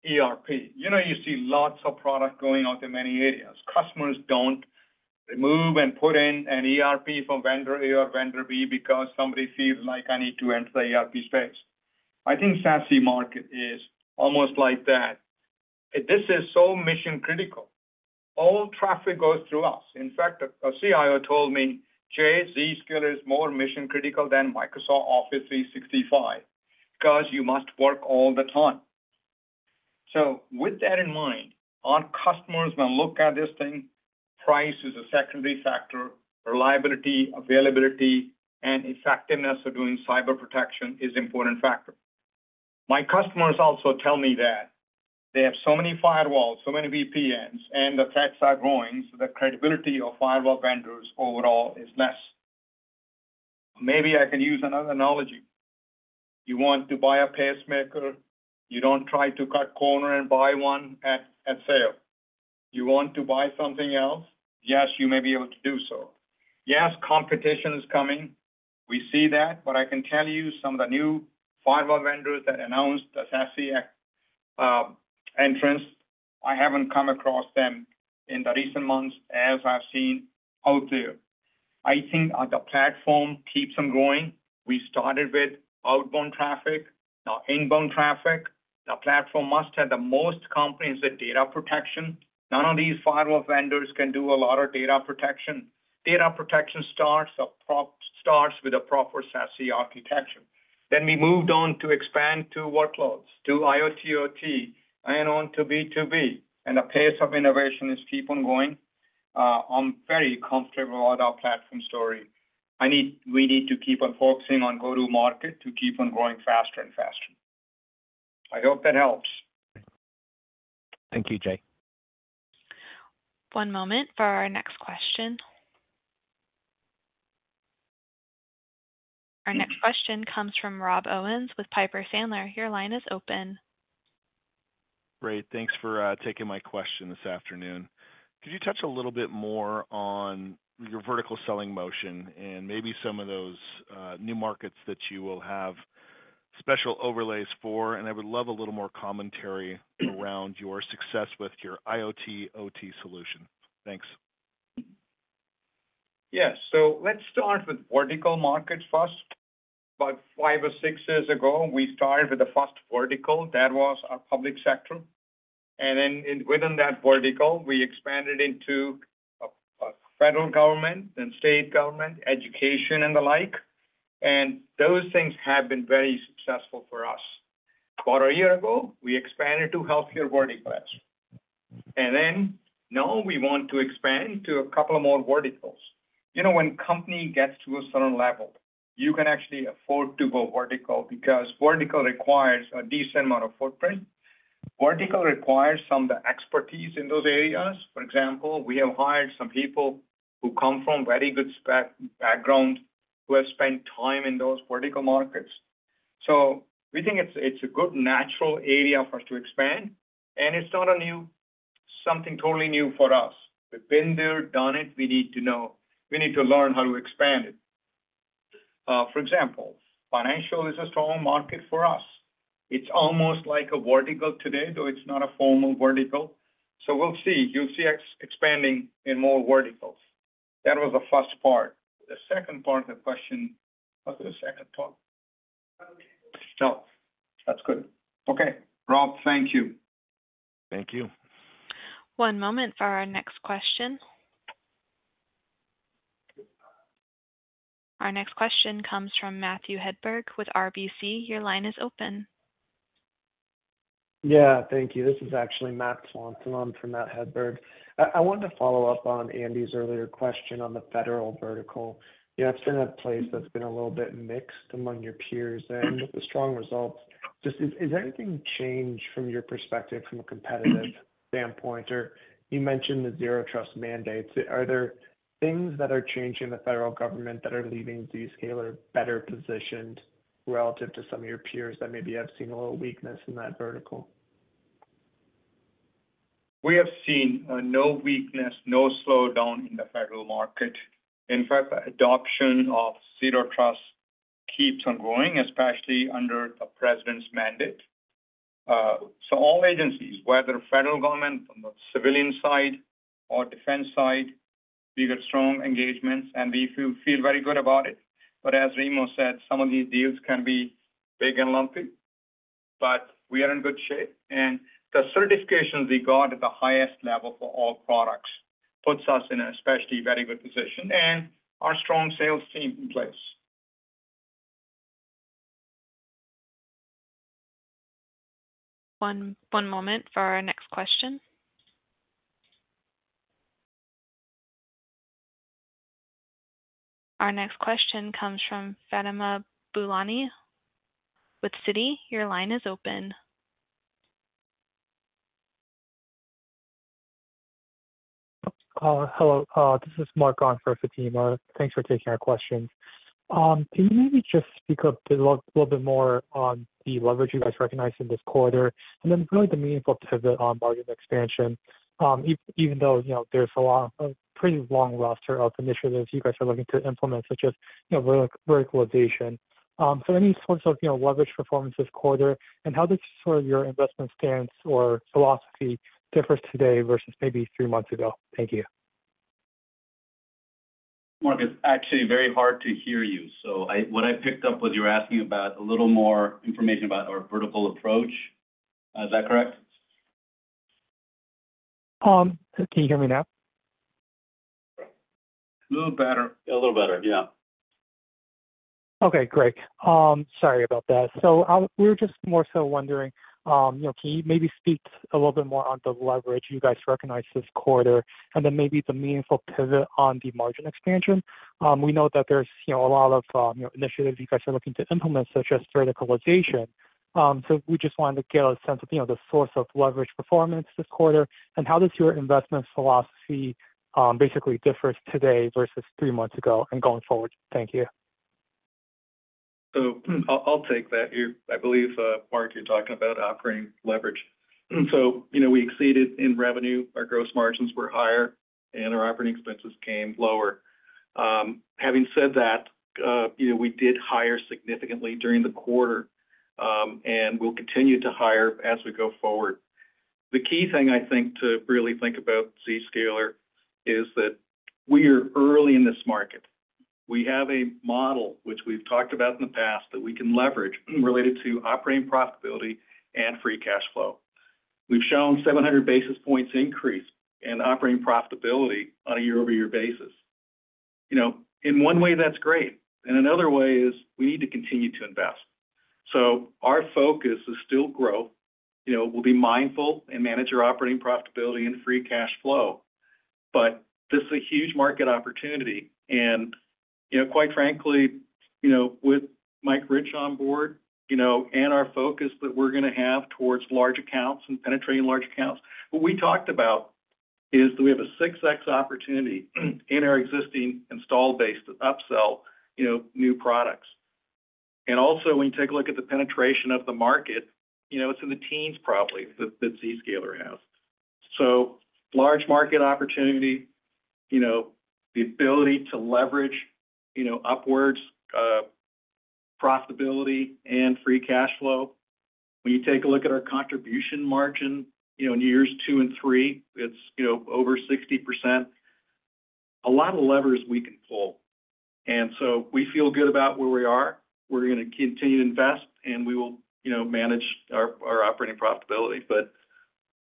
C: ERP. You see lots of product going out in many areas. Customers don't remove and put in an ERP from vendor A or vendor B because somebody feels like, "I need to enter the ERP space." I think SASE market is almost like that. This is so mission-critical. All traffic goes through us. In fact, a CIO told me, "Jay, Zscaler is more mission-critical than Microsoft Office 365 because you must work all the time." So with that in mind, our customers when look at this thing, price is a secondary factor. Reliability, availability, and effectiveness of doing cyber protection is an important factor. My customers also tell me that they have so many firewalls, so many VPNs, and the threats are growing, so the credibility of firewall vendors overall is less. Maybe I can use another analogy. You want to buy a pacemaker. You don't try to cut corner and buy one at sale. You want to buy something else. Yes, you may be able to do so. Yes, competition is coming. We see that. But I can tell you some of the new firewall vendors that announced the SASE entrance. I haven't come across them in the recent months as I've seen out there. I think the platform keeps them growing. We started with outbound traffic, now inbound traffic. The platform must have the most comprehensive data protection. None of these firewall vendors can do a lot of data protection. Data protection starts with a proper SASE architecture. Then we moved on to expand to workloads, to IoT/OT, and on to B2B. And the pace of innovation is keeping going. I'm very comfortable about our platform story. We need to keep on focusing on go-to-market to keep on growing faster and faster. I hope that helps.
H: Thank you, Jay.
A: One moment for our next question. Our next question comes from Rob Owens with Piper Sandler. Your line is open.
I: Great. Thanks for taking my question this afternoon. Could you touch a little bit more on your vertical selling motion and maybe some of those new markets that you will have special overlays for? And I would love a little more commentary around your success with your IoT/OT solution. Thanks.
C: Yeah. So let's start with vertical markets first. About five or six years ago, we started with the first vertical. That was our public sector. And then within that vertical, we expanded into federal government and state government, education, and the like. And those things have been very successful for us. About a year ago, we expanded to healthcare verticals. And then now we want to expand to a couple of more verticals. When a company gets to a certain level, you can actually afford to go vertical because vertical requires a decent amount of footprint. Vertical requires some of the expertise in those areas. For example, we have hired some people who come from very good backgrounds who have spent time in those vertical markets. So we think it's a good natural area for us to expand. And it's not something totally new for us. We've been there, done it. We need to know. We need to learn how to expand it. For example, financial is a strong market for us. It's almost like a vertical today, though it's not a formal vertical. So we'll see. You'll see us expanding in more verticals. That was the first part. The second part of the question was the second part. No, that's good. Okay. Rob, thank you.
D: Thank you.
A: One moment for our next question. Our next question comes from Matthew Hedberg with RBC. Your line is open.
J: Yeah. Thank you. This is actually Matt Swanton from Matthew Hedberg. I wanted to follow up on Andy's earlier question on the federal vertical. It's been a place that's been a little bit mixed among your peers and with the strong results. Is anything changed from your perspective, from a competitive standpoint? Or you mentioned the Zero Trust mandates. Are there things that are changing in the federal government that are leaving Zscaler better positioned relative to some of your peers that maybe have seen a little weakness in that vertical?
C: We have seen no weakness, no slowdown in the federal market. In fact, adoption of Zero Trust keeps on growing, especially under the president's mandate. So all agencies, whether federal government from the civilian side or defense side, we got strong engagements, and we feel very good about it. But as Remo said, some of these deals can be big and lumpy. But we are in good shape. And the certifications we got at the highest level for all products puts us in especially very good position and our strong sales team in place.
A: One moment for our next question. Our next question comes from Fatima Boolani with Citi. Your line is open.
K: Hello. This is Mark Guard for Fatima. Thanks for taking our questions. Can you maybe just speak up a little bit more on the leverage you guys recognize in this quarter and then really the meaningful pivot on market expansion, even though there's a pretty long roster of initiatives you guys are looking to implement, such as verticalization? So any sorts of leverage performance this quarter and how does sort of your investment stance or philosophy differ today versus maybe three months ago? Thank you.
D: Mark, it's actually very hard to hear you. So what I picked up was you were asking about a little more information about our vertical approach. Is that correct?
L: Can you hear me now?
D: A little better. A little better. Yeah.
L: Okay. Great. Sorry about that. So we were just more so wondering, can you maybe speak a little bit more on the leverage you guys recognize this quarter and then maybe the meaningful pivot on the margin expansion? We know that there's a lot of initiatives you guys are looking to implement, such as verticalization. So we just wanted to get a sense of the source of leverage performance this quarter and how does your investment philosophy basically differ today versus three months ago and going forward? Thank you.
D: So I'll take that. I believe, Mark, you're talking about operating leverage. So we exceeded in revenue. Our gross margins were higher, and our operating expenses came lower. Having said that, we did hire significantly during the quarter, and we'll continue to hire as we go forward. The key thing, I think, to really think about Zscaler is that we are early in this market. We have a model which we've talked about in the past that we can leverage related to operating profitability and free cash flow. We've shown 700 basis points increase in operating profitability on a year-over-year basis. In one way, that's great. In another way is we need to continue to invest. So our focus is still growth. We'll be mindful and manage our operating profitability and free cash flow. But this is a huge market opportunity. Quite frankly, with Mike Rich on board and our focus that we're going to have towards large accounts and penetrating large accounts, what we talked about is that we have a 6x opportunity in our existing install-based upsell new products. And also, when you take a look at the penetration of the market, it's in the teens, probably, that Zscaler has. So large market opportunity, the ability to leverage upwards profitability and free cash flow. When you take a look at our contribution margin in years two and three, it's over 60%. A lot of levers we can pull. And so we feel good about where we are. We're going to continue to invest, and we will manage our operating profitability. But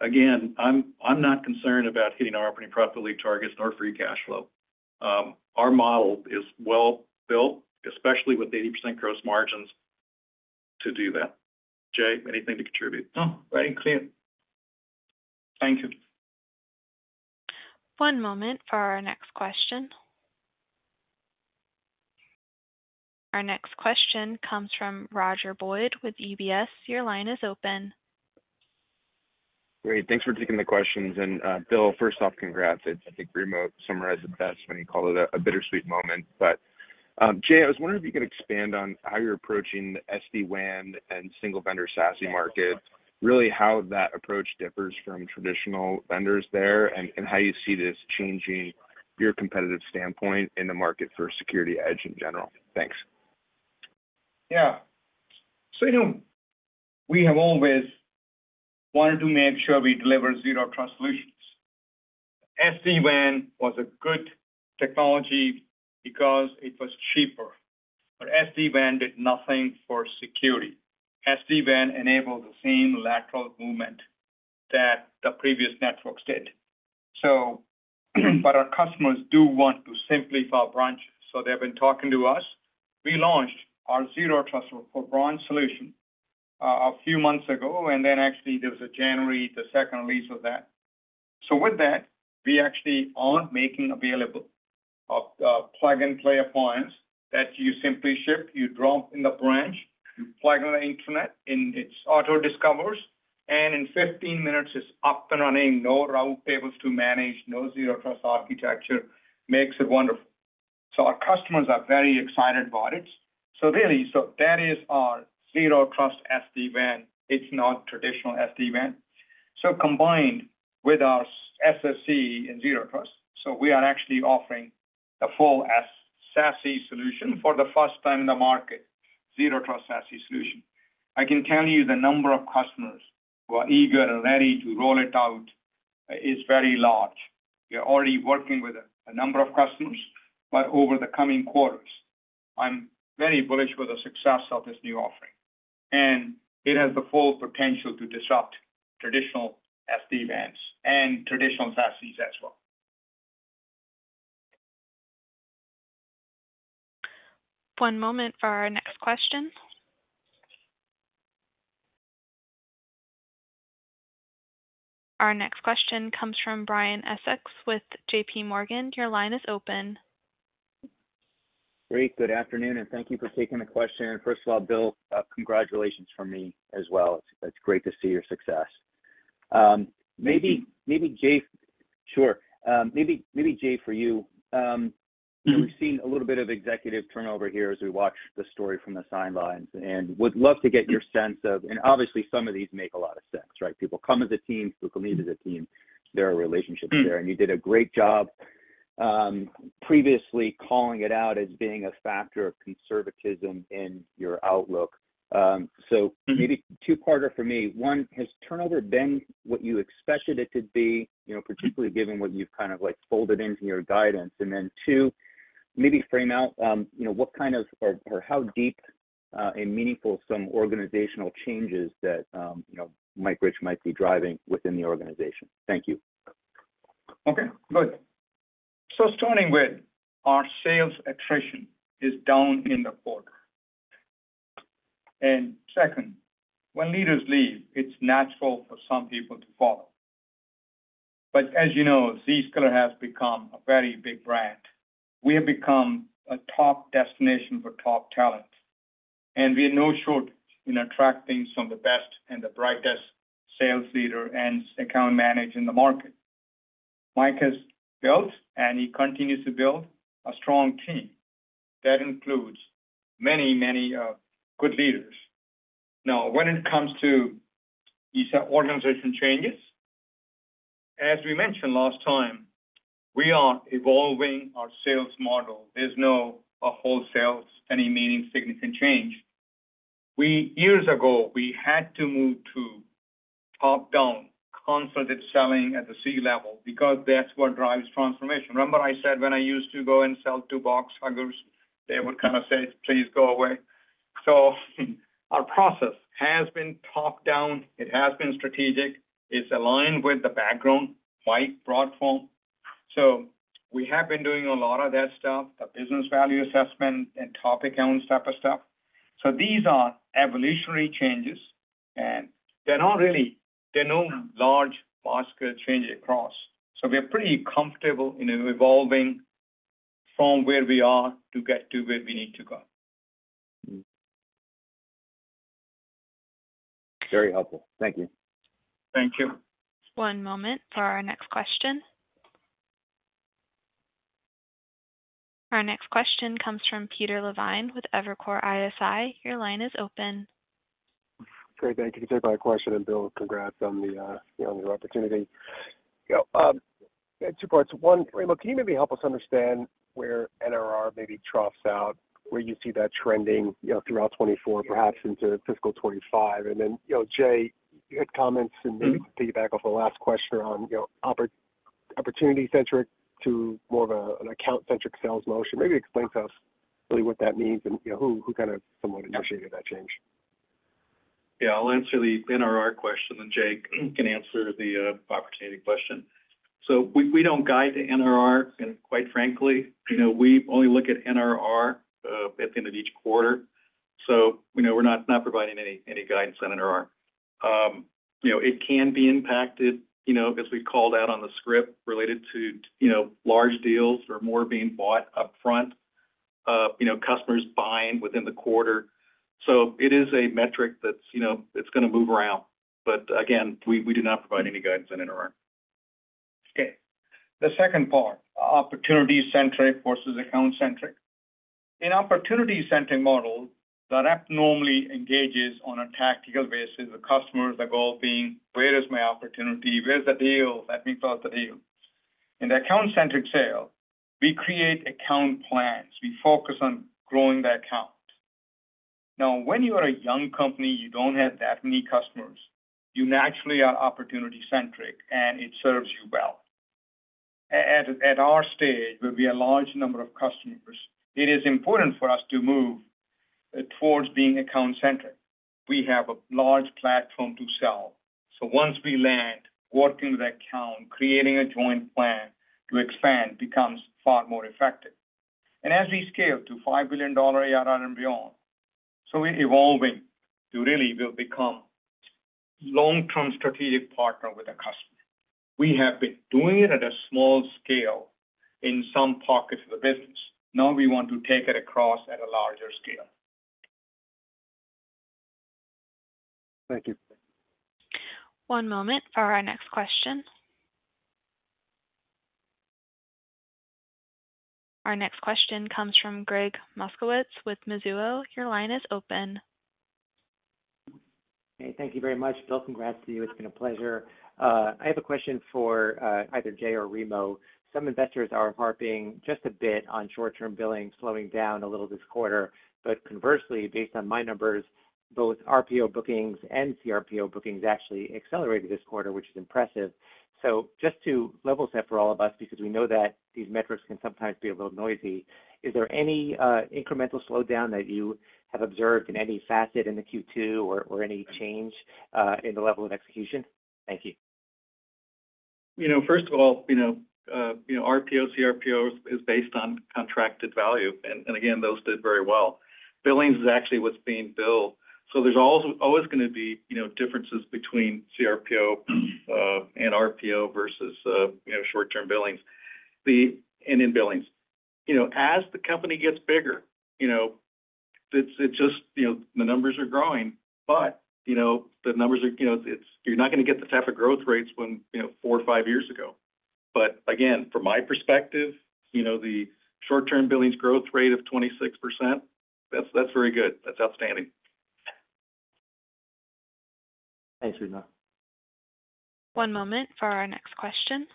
D: again, I'm not concerned about hitting our operating profitability targets nor free cash flow. Our model is well-built, especially with 80% gross margins, to do that. Jay, anything to contribute?
C: No, writing clear. Thank you.
A: One moment for our next question. Our next question comes from Roger Boyd with UBS. Your line is open.
M: Great. Thanks for taking the questions. Bill, first off, congrats. I think Remo summarized it best when he called it a bittersweet moment. Jay, I was wondering if you could expand on how you're approaching the SD-WAN and single-vendor SASE market, really how that approach differs from traditional vendors there, and how you see this changing your competitive standpoint in the market for security edge in general. Thanks.
C: Yeah. So we have always wanted to make sure we deliver Zero Trust solutions. SD-WAN was a good technology because it was cheaper. But SD-WAN did nothing for security. SD-WAN enabled the same lateral movement that the previous networks did. But our customers do want to simplify branches. So they've been talking to us. We launched our Zero Trust for Branch solution a few months ago. And then actually, there was a January 2 release of that. So with that, we actually are making available plug-and-play appliances that you simply ship. You drop in the branch. You plug on the internet. It auto-discovers. And in 15 minutes, it's up and running. No route tables to manage. No, Zero Trust architecture makes it wonderful. So our customers are very excited about it. So really, that is our Zero Trust SD-WAN. It's not traditional SD-WAN. So, combined with our SSE and Zero Trust, so we are actually offering the full SASE solution for the first time in the market, Zero Trust SASE solution. I can tell you the number of customers who are eager and ready to roll it out is very large. We are already working with a number of customers. But over the coming quarters, I'm very bullish with the success of this new offering. And it has the full potential to disrupt traditional SD-WANs and traditional SASEs as well.
A: One moment for our next question. Our next question comes from Brian Essex with JP Morgan. Your line is open.
N: Great. Good afternoon. Thank you for taking the question. First of all, Bill, congratulations from me as well. It's great to see your success. Maybe, Jay. Sure. Maybe, Jay, for you. We've seen a little bit of executive turnover here as we watch the story from the sidelines. Would love to get your sense of, and obviously, some of these make a lot of sense, right? People come as a team. People leave as a team. There are relationships there. You did a great job previously calling it out as being a factor of conservatism in your outlook. So maybe two-parter for me. One, has turnover been what you expected it to be, particularly given what you've kind of folded into your guidance? And then two, maybe frame out what kind of or how deep and meaningful some organizational changes that Mike Rich might be driving within the organization? Thank you.
C: Okay. Good. So, starting with, our sales attrition is down in the quarter. And second, when leaders leave, it's natural for some people to follow. But as you know, Zscaler has become a very big brand. We have become a top destination for top talent. And we have no shortage in attracting some of the best and the brightest sales leaders and account managers in the market. Mike has built, and he continues to build, a strong team that includes many, many good leaders. Now, when it comes to organization changes, as we mentioned last time, we are evolving our sales model. There's no wholesale, any meaningful, significant change. Years ago, we had to move to top-down, concerted selling at the C-level because that's what drives transformation. Remember I said when I used to go and sell to box huggers, they would kind of say, "Please go away." So our process has been top-down. It has been strategic. It's aligned with the background, my platform. So we have been doing a lot of that stuff, the business value assessment and top accounts type of stuff. So these are evolutionary changes. And they're not really there are no large mass scale changes across. So we're pretty comfortable evolving from where we are to get to where we need to go.
N: Very helpful. Thank you.
C: Thank you.
A: One moment for our next question. Our next question comes from Peter Levine with Evercore ISI. Your line is open.
O: Great. Thank you. Thank you for that question. Bill, congrats on your opportunity. Two parts. One, Remo, can you maybe help us understand where NRR maybe troughs out, where you see that trending throughout 2024, perhaps into fiscal 2025? And then Jay, you had comments and maybe some feedback off the last question around opportunity-centric to more of an account-centric sales motion. Maybe explain to us really what that means and who kind of somewhat initiated that change.
D: Yeah. I'll answer the NRR question, and Jay can answer the opportunity question. So we don't guide the NRR. Quite frankly, we only look at NRR at the end of each quarter. So we're not providing any guidance on NRR. It can be impacted, as we called out on the script, related to large deals or more being bought upfront, customers buying within the quarter. So it is a metric that's going to move around. But again, we do not provide any guidance on NRR.
C: Okay. The second part, opportunity-centric versus account-centric. In an opportunity-centric model, the rep normally engages on a tactical basis with customers, the goal being, "Where is my opportunity? Where's the deal? Let me close the deal." In the account-centric sale, we create account plans. We focus on growing the account. Now, when you are a young company, you don't have that many customers. You naturally are opportunity-centric, and it serves you well. At our stage, where we have a large number of customers, it is important for us to move towards being account-centric. We have a large platform to sell. So once we land, working with the account, creating a joint plan to expand becomes far more effective. And as we scale to $5 billion ARR and beyond, so we're evolving to really become a long-term strategic partner with a customer. We have been doing it at a small scale in some pockets of the business. Now we want to take it across at a larger scale.
O: Thank you.
A: One moment for our next question. Our next question comes from Greg Moskowitz with Mizuho. Your line is open.
P: Hey. Thank you very much, Bill. Congrats to you. It's been a pleasure. I have a question for either Jay or Remo. Some investors are harping just a bit on short-term billing slowing down a little this quarter. But conversely, based on my numbers, both RPO bookings and CRPO bookings actually accelerated this quarter, which is impressive. So just to level set for all of us because we know that these metrics can sometimes be a little noisy, is there any incremental slowdown that you have observed in any facet in the Q2 or any change in the level of execution? Thank you.
D: First of all, RPO, CRPO is based on contracted value. Again, those did very well. Billings is actually what's being billed. So there's always going to be differences between CRPO and RPO versus short-term billings and in-billings. As the company gets bigger, it's just the numbers are growing. But the numbers are, you're not going to get the type of growth rates four or five years ago. But again, from my perspective, the short-term billings growth rate of 26%, that's very good. That's outstanding.
P: Thanks, Remo.
A: One moment for our next question.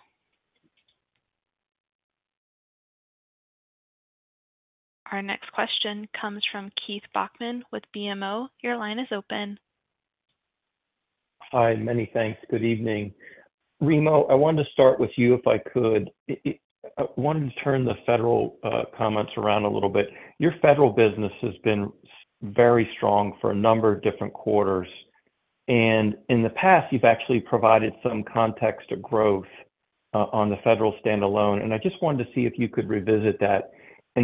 A: Our next question comes from Keith Bachman with BMO. Your line is open.
Q: Hi. Many thanks. Good evening. Remo, I wanted to start with you if I could. I wanted to turn the federal comments around a little bit. Your federal business has been very strong for a number of different quarters. In the past, you've actually provided some context to growth on the federal standalone. I just wanted to see if you could revisit that.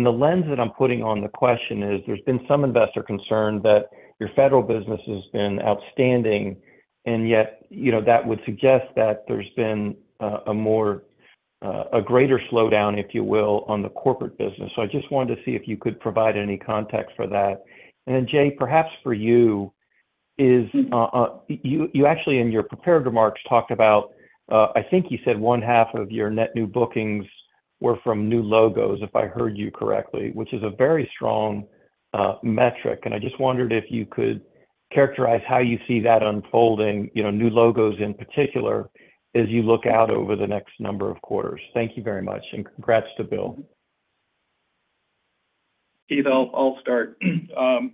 Q: The lens that I'm putting on the question is there's been some investor concern that your federal business has been outstanding, and yet that would suggest that there's been a greater slowdown, if you will, on the corporate business. I just wanted to see if you could provide any context for that. Then Jay, perhaps for you, you actually, in your prepared remarks, talked about, I think you said one-half of your net new bookings were from new logos, if I heard you correctly, which is a very strong metric. I just wondered if you could characterize how you see that unfolding, new logos in particular, as you look out over the next number of quarters. Thank you very much. Congrats to Bill.
D: Keith, I'll start. The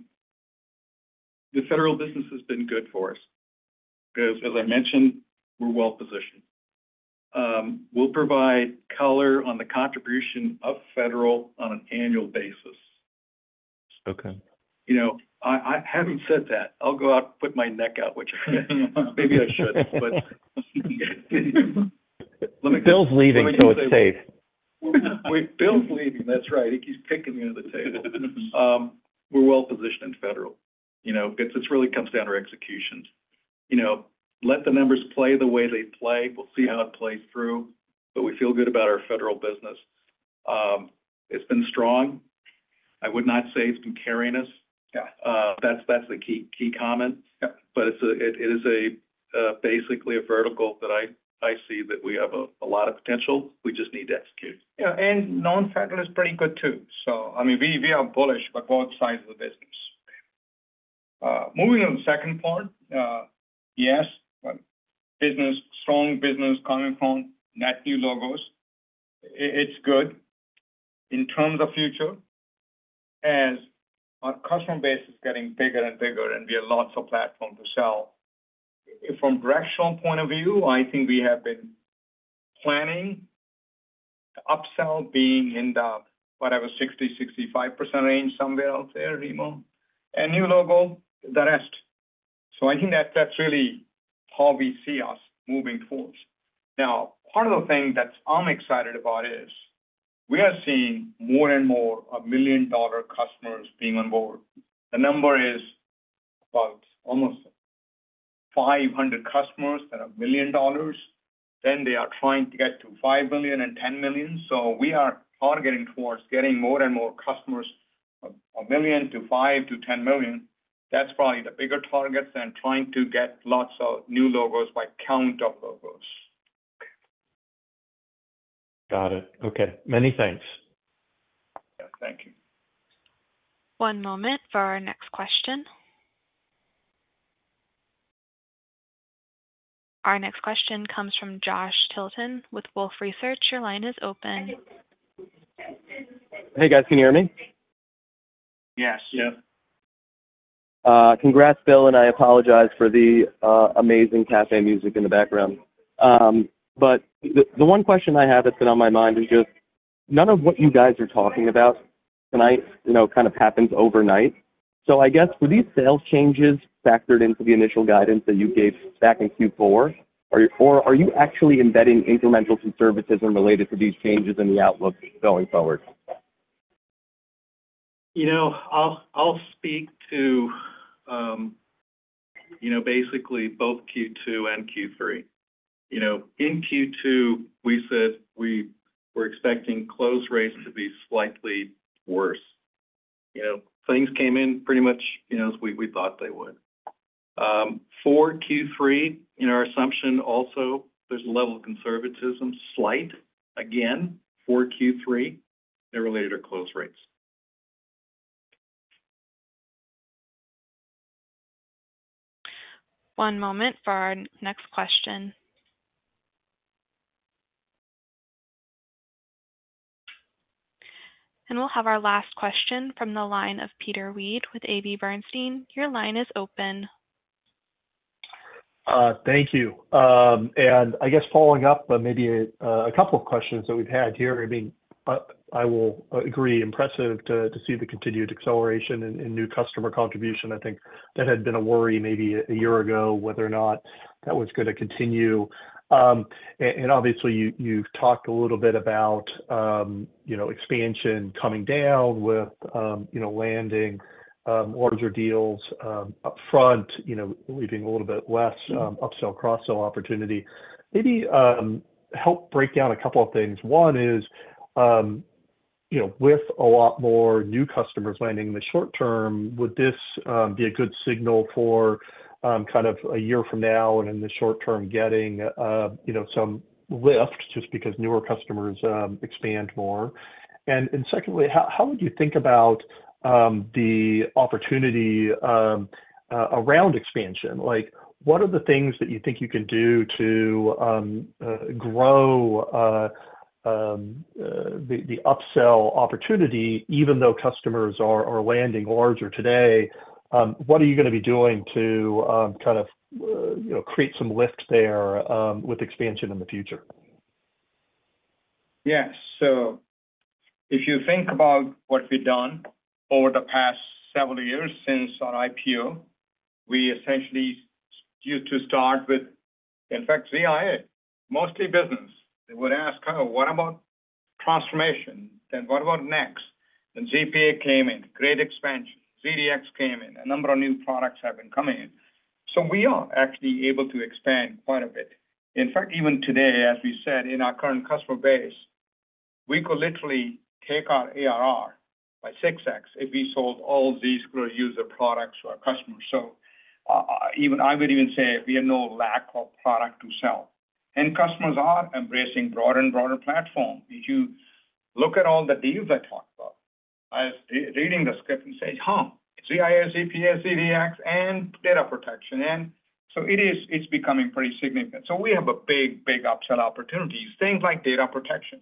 D: federal business has been good for us because, as I mentioned, we're well-positioned. We'll provide color on the contribution of federal on an annual basis. I haven't said that. I'll go out and put my neck out, which maybe I should. But let me say.
C: Bill's leaving so it's safe.
D: Wait. Bill's leaving. That's right. He keeps picking me on the table. We're well-positioned in federal because it really comes down to executions. Let the numbers play the way they play. We'll see how it plays through. But we feel good about our federal business. It's been strong. I would not say it's been carrying us. That's the key comment. But it is basically a vertical that I see that we have a lot of potential. We just need to execute.
C: Yeah. Non-federal is pretty good too. I mean, we are bullish, but both sides of the business. Moving on to the second part, yes, strong business coming from net new logos. It's good in terms of future as our customer base is getting bigger and bigger, and we have lots of platform to sell. From a directional point of view, I think we have been planning upsell, being in the whatever, 60%-65% range somewhere out there, Remo. And new logo, the rest. So I think that's really how we see us moving towards. Now, part of the thing that I'm excited about is we are seeing more and more $1 million customers being on board. The number is about almost 500 customers that are $1 million. Then they are trying to get to $5 million and $10 million. So we are targeting towards getting more and more customers, 1 million to 5 to 10 million. That's probably the bigger targets than trying to get lots of new logos by count of logos.
Q: Got it. Okay. Many thanks.
D: Yeah. Thank you.
A: One moment for our next question. Our next question comes from Josh Tilton with Wolfe Research. Your line is open.
R: Hey, guys. Can you hear me?
D: Yes.
R: Congrats, Bill. And I apologize for the amazing café music in the background. But the one question I have that's been on my mind is just none of what you guys are talking about tonight kind of happens overnight. So I guess, were these sales changes factored into the initial guidance that you gave back in Q4? Or are you actually embedding incremental conservatism related to these changes in the outlook going forward?
D: I'll speak to basically both Q2 and Q3. In Q2, we said we were expecting close rates to be slightly worse. Things came in pretty much as we thought they would. For Q3, in our assumption also, there's a level of conservatism, slight, again, for Q3 related to close rates.
A: One moment for our next question. We'll have our last question from the line of Peter Weed with AB Bernstein. Your line is open.
S: Thank you. And I guess following up, maybe a couple of questions that we've had here. I mean, I will agree, impressive to see the continued acceleration in new customer contribution. I think that had been a worry maybe a year ago whether or not that was going to continue. And obviously, you've talked a little bit about expansion coming down with landing larger deals upfront, leaving a little bit less upsell, cross-sell opportunity. Maybe help break down a couple of things. One is with a lot more new customers landing in the short term, would this be a good signal for kind of a year from now and in the short term getting some lift just because newer customers expand more? And secondly, how would you think about the opportunity around expansion? What are the things that you think you can do to grow the upsell opportunity, even though customers are landing larger today? What are you going to be doing to kind of create some lift there with expansion in the future?
C: Yes. So if you think about what we've done over the past several years since our IPO, we essentially used to start with, in fact, ZIA, mostly business. They would ask, "What about transformation? Then what about next?" Then ZPA came in, great expansion. ZDX came in. A number of new products have been coming in. So we are actually able to expand quite a bit. In fact, even today, as we said, in our current customer base, we could literally take our ARR by 6x if we sold all Zscaler user products to our customers. So I would even say we have no lack of product to sell. And customers are embracing broader and broader platforms. If you look at all the deals I talked about, I was reading the script and say, "Huh, ZIA, ZPA, ZDX, and data protection." And so it's becoming pretty significant. So we have a big, big upsell opportunities, things like data protection.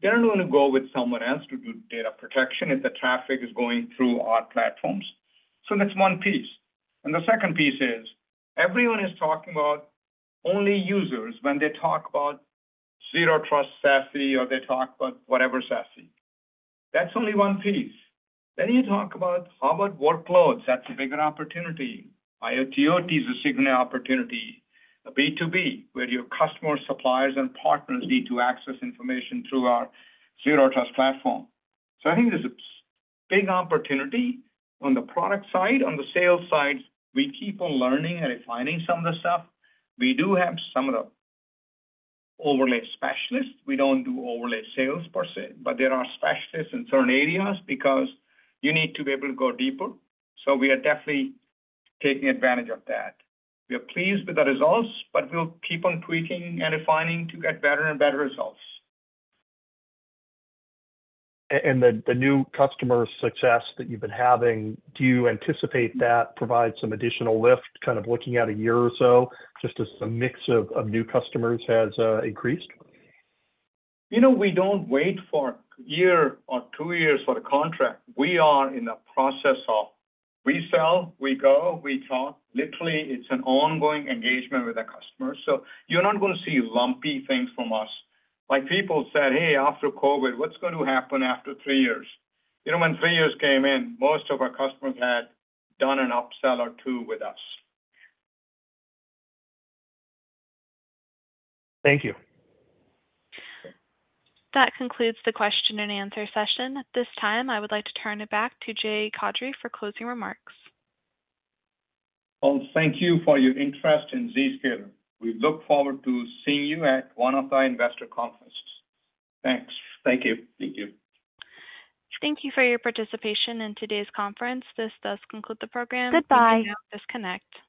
C: They're not going to go with someone else to do data protection if the traffic is going through our platforms. So that's one piece. And the second piece is everyone is talking about only users when they talk about Zero Trust SASE or they talk about whatever SASE. That's only one piece. Then you talk about hybrid workloads. That's a bigger opportunity. IoT/OT is a single opportunity, a B2B where your customers, suppliers, and partners need to access information through our Zero Trust platform. So I think there's a big opportunity on the product side. On the sales side, we keep on learning and refining some of the stuff. We do have some of the overlay specialists. We don't do overlay sales per se, but there are specialists in certain areas because you need to be able to go deeper. So we are definitely taking advantage of that. We are pleased with the results, but we'll keep on tweaking and refining to get better and better results.
S: The new customer success that you've been having, do you anticipate that provides some additional lift kind of looking out a year or so just as the mix of new customers has increased?
C: We don't wait for a year or two years for a contract. We are in the process of we sell, we go, we talk. Literally, it's an ongoing engagement with our customers. So you're not going to see lumpy things from us. People said, "Hey, after COVID, what's going to happen after three years?" When three years came in, most of our customers had done an upsell or two with us.
S: Thank you.
A: That concludes the question-and-answer session. At this time, I would like to turn it back to Jay Chaudhry for closing remarks.
C: Well, thank you for your interest in Zscaler. We look forward to seeing you at one of our investor conferences. Thanks. Thank you. Thank you.
A: Thank you for your participation in today's conference. This does conclude the program. Goodbye. Thank you. Disconnect.